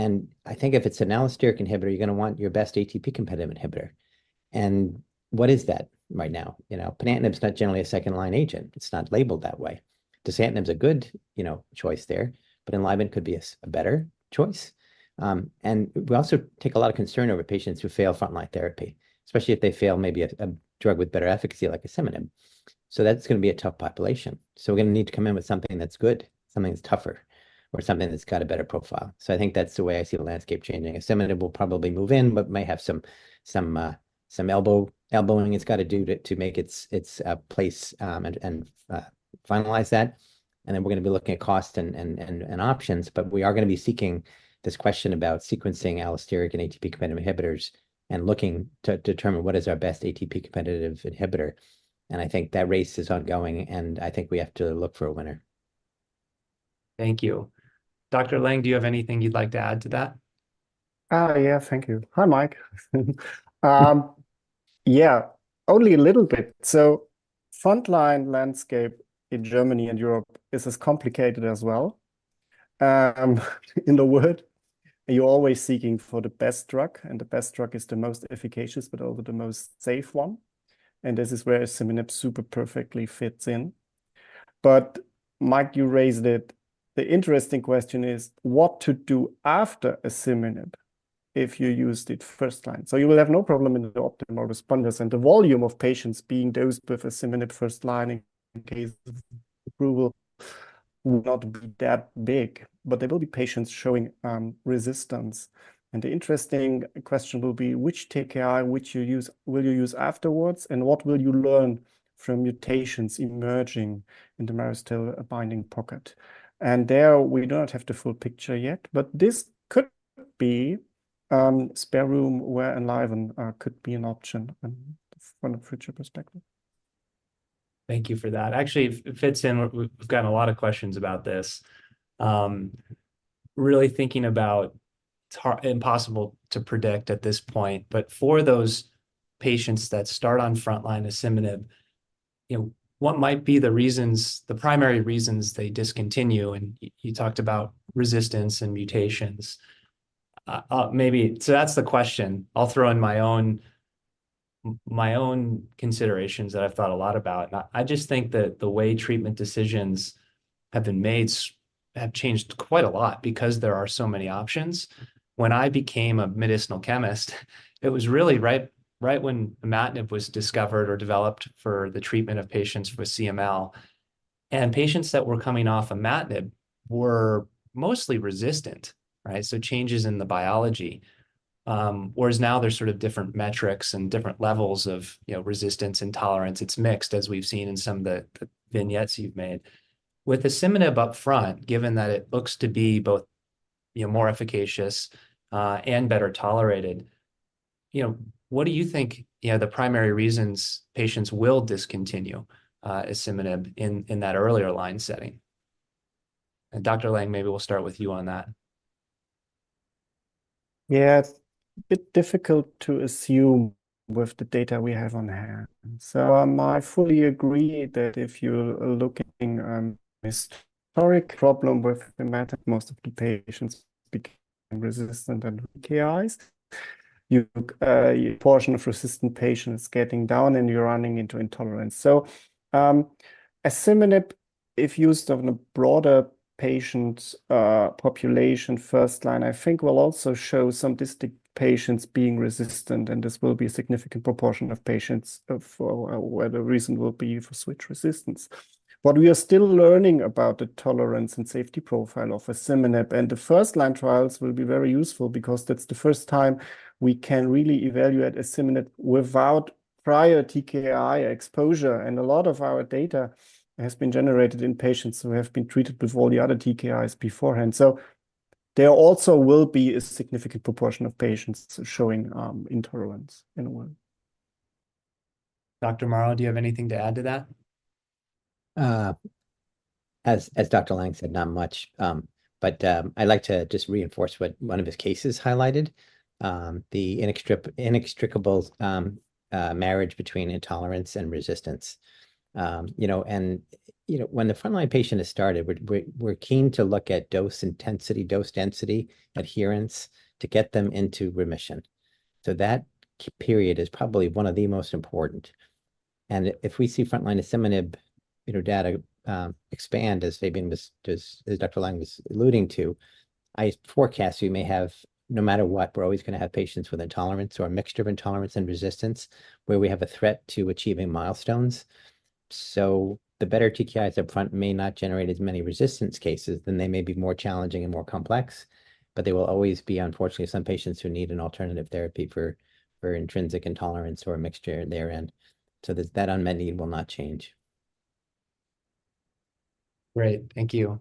And I think if it's an allosteric inhibitor, you're gonna want your best ATP-competitive inhibitor. And what is that right now? You know, ponatinib's not generally a second-line agent. It's not labelled that way. Dasatinib is a good, you know, choice there, but Enliven could be a better choice. And we also take a lot of concern over patients who fail frontline therapy, especially if they fail maybe a drug with better efficacy, like asciminib. So that's gonna be a tough population, so we're gonna need to come in with something that's good, something that's tougher, or something that's got a better profile. So I think that's the way I see the landscape changing. Asciminib will probably move in, but may have some elbowing it's gotta do to make its place, and finalize that. Then we're gonna be looking at cost and options, but we are gonna be seeking this question about sequencing allosteric and ATP-competitive inhibitors and looking to determine what is our best ATP-competitive inhibitor, and I think that race is ongoing, and I think we have to look for a winner. Thank you. Dr. Lang, do you have anything you'd like to add to that? Yeah, thank you. Hi, Mike. Yeah, only a little bit. So frontline landscape in Germany and Europe is as complicated as well in the world. You're always seeking for the best drug, and the best drug is the most efficacious, but also the most safe one, and this is where asciminib super perfectly fits in. But Mike, you raised it, the interesting question is what to do after asciminib if you used it first line. So you will have no problem in the optimal responders, and the volume of patients being dosed with asciminib first line in case approval will not be that big, but there will be patients showing resistance. And the interesting question will be: Which TKI, which you use, will you use afterwards, and what will you learn from mutations emerging in the marrow still binding pocket? There, we do not have the full picture yet, but this could be spare room where Enliven could be an option and from a future perspective. Thank you for that. Actually, it fits in... We've gotten a lot of questions about this. Really thinking about impossible to predict at this point, but for those patients that start on frontline asciminib, you know, what might be the reasons, the primary reasons they discontinue? And you talked about resistance and mutations. Maybe... So that's the question. I'll throw in my own, my own considerations that I've thought a lot about, and I just think that the way treatment decisions have been made have changed quite a lot because there are so many options. When I became a medicinal chemist, it was really right when imatinib was discovered or developed for the treatment of patients with CML, and patients that were coming off imatinib were mostly resistant, right? So changes in the biology.... Whereas now there's sort of different metrics and different levels of, you know, resistance and tolerance. It's mixed, as we've seen in some of the vignettes you've made. With asciminib up front, given that it looks to be both, you know, more efficacious, and better tolerated, you know, what do you think, you know, the primary reasons patients will discontinue asciminib in that earlier line setting? And Dr. Lang, maybe we'll start with you on that. Yeah, it's a bit difficult to assume with the data we have on hand. So, I fully agree that if you're looking on historic problem with the matter, most of the patients become resistant and TKIs, you, your portion of resistant patients getting down, and you're running into intolerance. So, asciminib, if used on a broader patient, population first line, I think will also show some distinct patients being resistant, and this will be a significant proportion of patients of, where the reason will be for switch resistance. But we are still learning about the tolerance and safety profile of asciminib, and the first-line trials will be very useful because that's the first time we can really evaluate asciminib without prior TKI exposure. And a lot of our data has been generated in patients who have been treated with all the other TKIs beforehand. There also will be a significant proportion of patients showing intolerance in one. Dr. Mauro, do you have anything to add to that? As Dr. Lang said, not much. But I'd like to just reinforce what one of his cases highlighted, the inextricable marriage between intolerance and resistance. You know, and you know, when the frontline patient has started, we're keen to look at dose intensity, dose density, adherence, to get them into remission. So that period is probably one of the most important. And if we see frontline asciminib data expand, as Fabian was, as Dr. Lang was alluding to, I forecast we may have... No matter what, we're always gonna have patients with intolerance or a mixture of intolerance and resistance, where we have a threat to achieving milestones. So the better TKIs up front may not generate as many resistance cases, then they may be more challenging and more complex, but there will always be, unfortunately, some patients who need an alternative therapy for intrinsic intolerance or a mixture therein, so that unmet need will not change. Great. Thank you.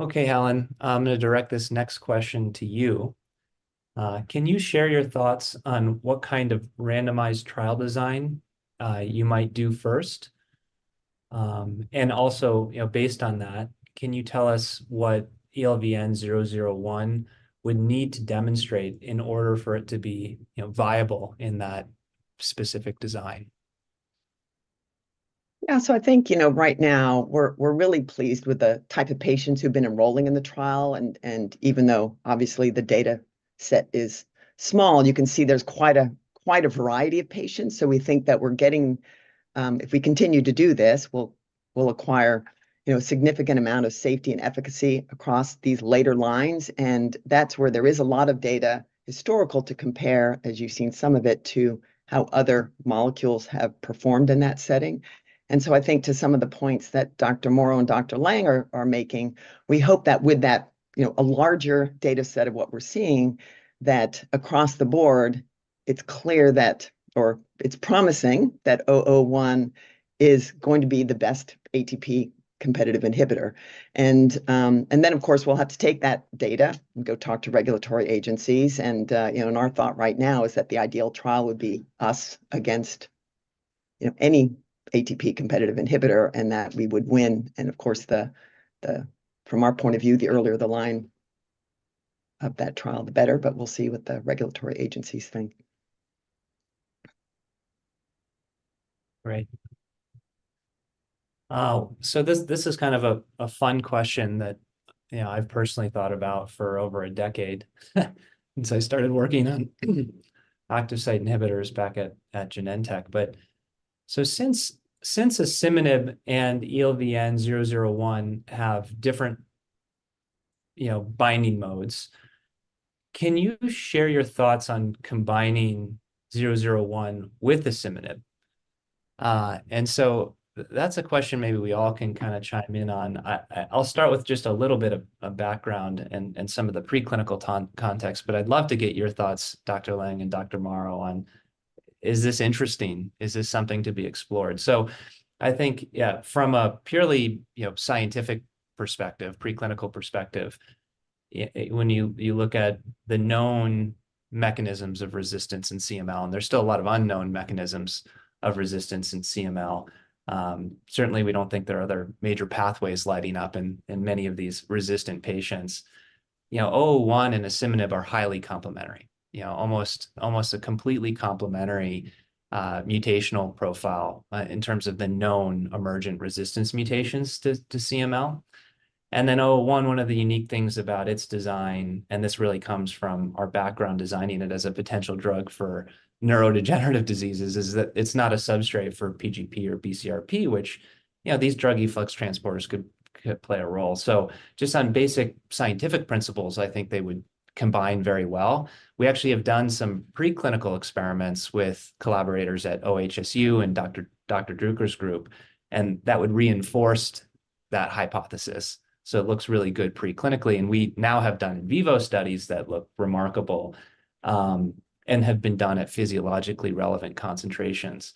Okay, Helen, I'm gonna direct this next question to you. Can you share your thoughts on what kind of randomized trial design you might do first? And also, you know, based on that, can you tell us what ELVN-001 would need to demonstrate in order for it to be, you know, viable in that specific design? Yeah, so I think, you know, right now, we're really pleased with the type of patients who've been enrolling in the trial, and even though obviously the data set is small, you can see there's quite a variety of patients. So we think that we're getting. If we continue to do this, we'll acquire, you know, a significant amount of safety and efficacy across these later lines, and that's where there is a lot of data, historical, to compare, as you've seen some of it, to how other molecules have performed in that setting. And so I think to some of the points that Dr. Mauro and Dr. Lang are making, we hope that with that, you know, a larger data set of what we're seeing, that across the board, it's clear that, or it's promising that 001 is going to be the best ATP-competitive inhibitor. And then, of course, we'll have to take that data and go talk to regulatory agencies. And, you know, our thought right now is that the ideal trial would be us against, you know, any ATP-competitive inhibitor, and that we would win. And of course, from our point of view, the earlier the line of that trial, the better, but we'll see what the regulatory agencies think. Great. So this, this is kind of a fun question that, you know, I've personally thought about for over a decade, since I started working on active site inhibitors back at Genentech. But, so since asciminib and ELVN-001 have different, you know, binding modes, can you share your thoughts on combining ELVN-001 with asciminib? And so that's a question maybe we all can kind of chime in on. I'll start with just a little bit of background and some of the preclinical ton of context, but I'd love to get your thoughts, Dr. Lang and Dr. Mauro, on, is this interesting? Is this something to be explored? So I think, yeah, from a purely, you know, scientific perspective, preclinical perspective, when you look at the known mechanisms of resistance in CML, and there's still a lot of unknown mechanisms of resistance in CML, certainly, we don't think there are other major pathways lighting up in many of these resistant patients. You know, 001 and asciminib are highly complementary, you know, almost, almost a completely complementary mutational profile in terms of the known emergent resistance mutations to CML. And then 001, one of the unique things about its design, and this really comes from our background, designing it as a potential drug for neurodegenerative diseases, is that it's not a substrate for PGP or BCRP, which, you know, these drug efflux transporters could play a role. So just on basic scientific principles, I think they would combine very well. We actually have done some preclinical experiments with collaborators at OHSU and Dr. Druker's group, and that would reinforce that hypothesis. So it looks really good pre-clinically, and we now have done in vivo studies that look remarkable, and have been done at physiologically relevant concentrations.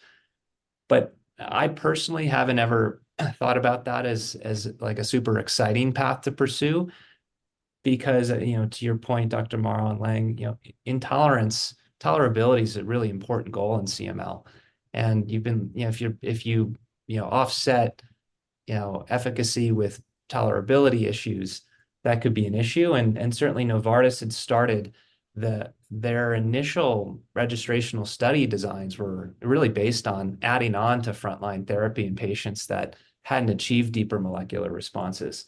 But I personally haven't ever thought about that as, as, like, a super exciting path to pursue because, you know, to your point, Dr. Mauro and Lang, you know, tolerability is a really important goal in CML, and you've been... You know, if you, if you, you know, offset, you know, efficacy with tolerability issues, that could be an issue. And certainly Novartis had started their initial registrational study designs were really based on adding on to frontline therapy in patients that hadn't achieved deeper molecular responses.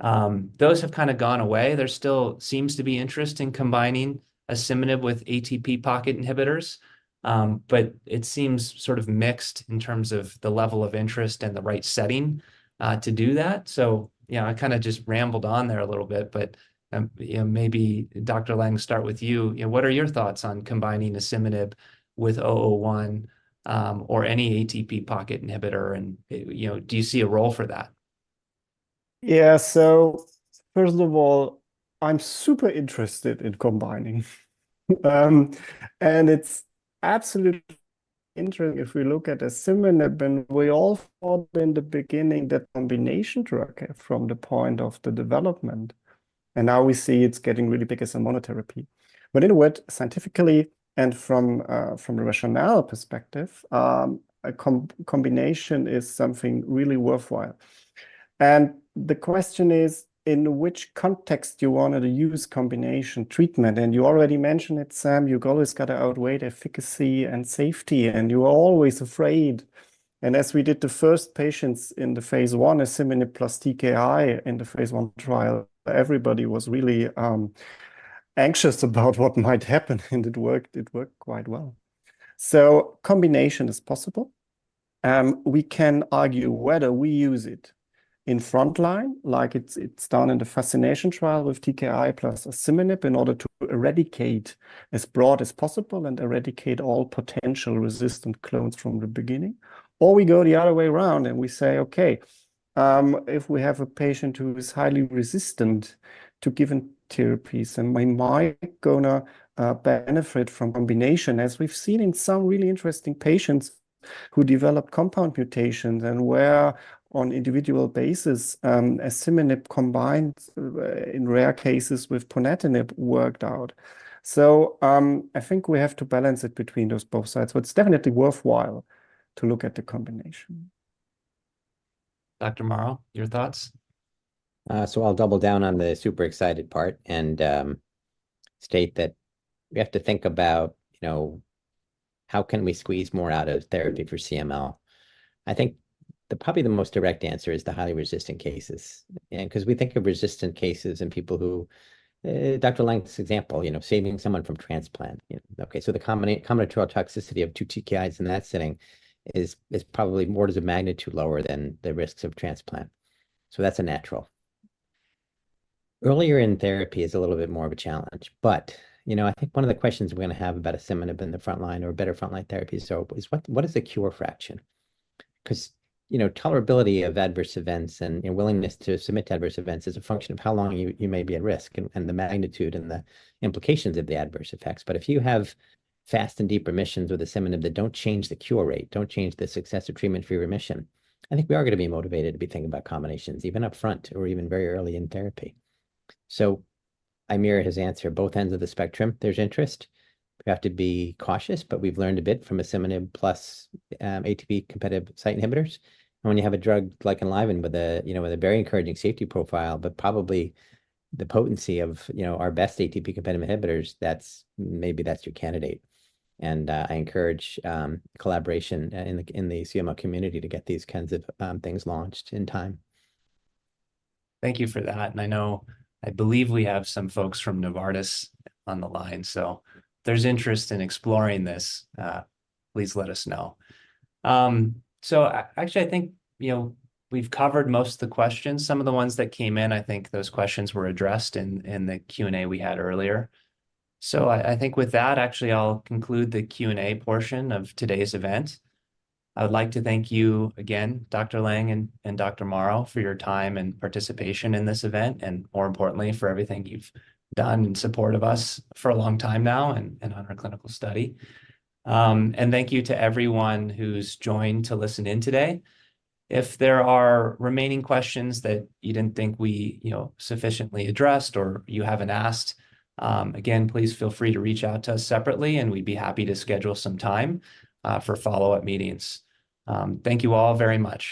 Those have kind of gone away. There still seems to be interest in combining asciminib with ATP-pocket inhibitors, but it seems sort of mixed in terms of the level of interest and the right setting to do that. So, you know, I kind of just rambled on there a little bit, but, you know, maybe, Dr. Lang, start with you. You know, what are your thoughts on combining asciminib with 001, or any ATP-pocket inhibitor, and, you know, do you see a role for that? Yeah, so first of all, I'm super interested in combining. And it's absolutely interesting if we look at asciminib, and we all thought in the beginning that combination drug from the point of the development, and now we see it's getting really big as a monotherapy. But in a word, scientifically and from a rationale perspective, a combination is something really worthwhile. And the question is, in which context do you wanna use combination treatment? And you already mentioned it, Sam, you've always got to outweigh the efficacy and safety, and you are always afraid. And as we did the first patients in the phase I, asciminib plus TKI in the phase I trial, everybody was really anxious about what might happen, and it worked. It worked quite well. So combination is possible. We can argue whether we use it in frontline, like it's, it's done in the FASCINATION trial with TKI plus asciminib in order to eradicate as broad as possible and eradicate all potential resistant clones from the beginning. Or we go the other way around, and we say, "Okay, if we have a patient who is highly resistant to given therapies, am I might gonna benefit from combination," as we've seen in some really interesting patients who develop compound mutations and where on individual basis, asciminib combined, in rare cases with ponatinib worked out. So, I think we have to balance it between those both sides, but it's definitely worthwhile to look at the combination. Dr. Mauro, your thoughts? So I'll double down on the super excited part and state that we have to think about, you know, how can we squeeze more out of therapy for CML? I think probably the most direct answer is the highly resistant cases. 'Cause we think of resistant cases in people who, Dr. Lang's example, you know, saving someone from transplant, you know? Okay, so the combinatorial toxicity of two TKIs in that setting is probably more as a magnitude lower than the risks of transplant. So that's a natural. Earlier in therapy is a little bit more of a challenge, but, you know, I think one of the questions we're gonna have about asciminib in the frontline or better frontline therapy, so, is what, what is the cure fraction? 'Cause, you know, tolerability of adverse events and, and willingness to submit to adverse events is a function of how long you, you may be at risk, and, and the magnitude and the implications of the adverse effects. But if you have fast and deep remissions with asciminib that don't change the cure rate, don't change the success of treatment-free remission, I think we are gonna be motivated to be thinking about combinations, even upfront or even very early in therapy. So I mirror his answer. Both ends of the spectrum, there's interest. We have to be cautious, but we've learned a bit from asciminib plus ATP-competitive site inhibitors. And when you have a drug like Enliven with a, you know, with a very encouraging safety profile, but probably the potency of, you know, our best ATP-competitive inhibitors, that's, maybe that's your candidate. I encourage collaboration in the CML community to get these kinds of things launched in time. Thank you for that, and I know I believe we have some folks from Novartis on the line, so if there's interest in exploring this, please let us know. So actually, I think, you know, we've covered most of the questions. Some of the ones that came in, I think those questions were addressed in the Q&A we had earlier. So I think with that, actually, I'll conclude the Q&A portion of today's event. I would like to thank you again, Dr. Lang and Dr. Mauro, for your time and participation in this event, and more importantly, for everything you've done in support of us for a long time now and on our clinical study. And thank you to everyone who's joined to listen in today. If there are remaining questions that you didn't think we, you know, sufficiently addressed or you haven't asked, again, please feel free to reach out to us separately, and we'd be happy to schedule some time, for follow-up meetings. Thank you all very much.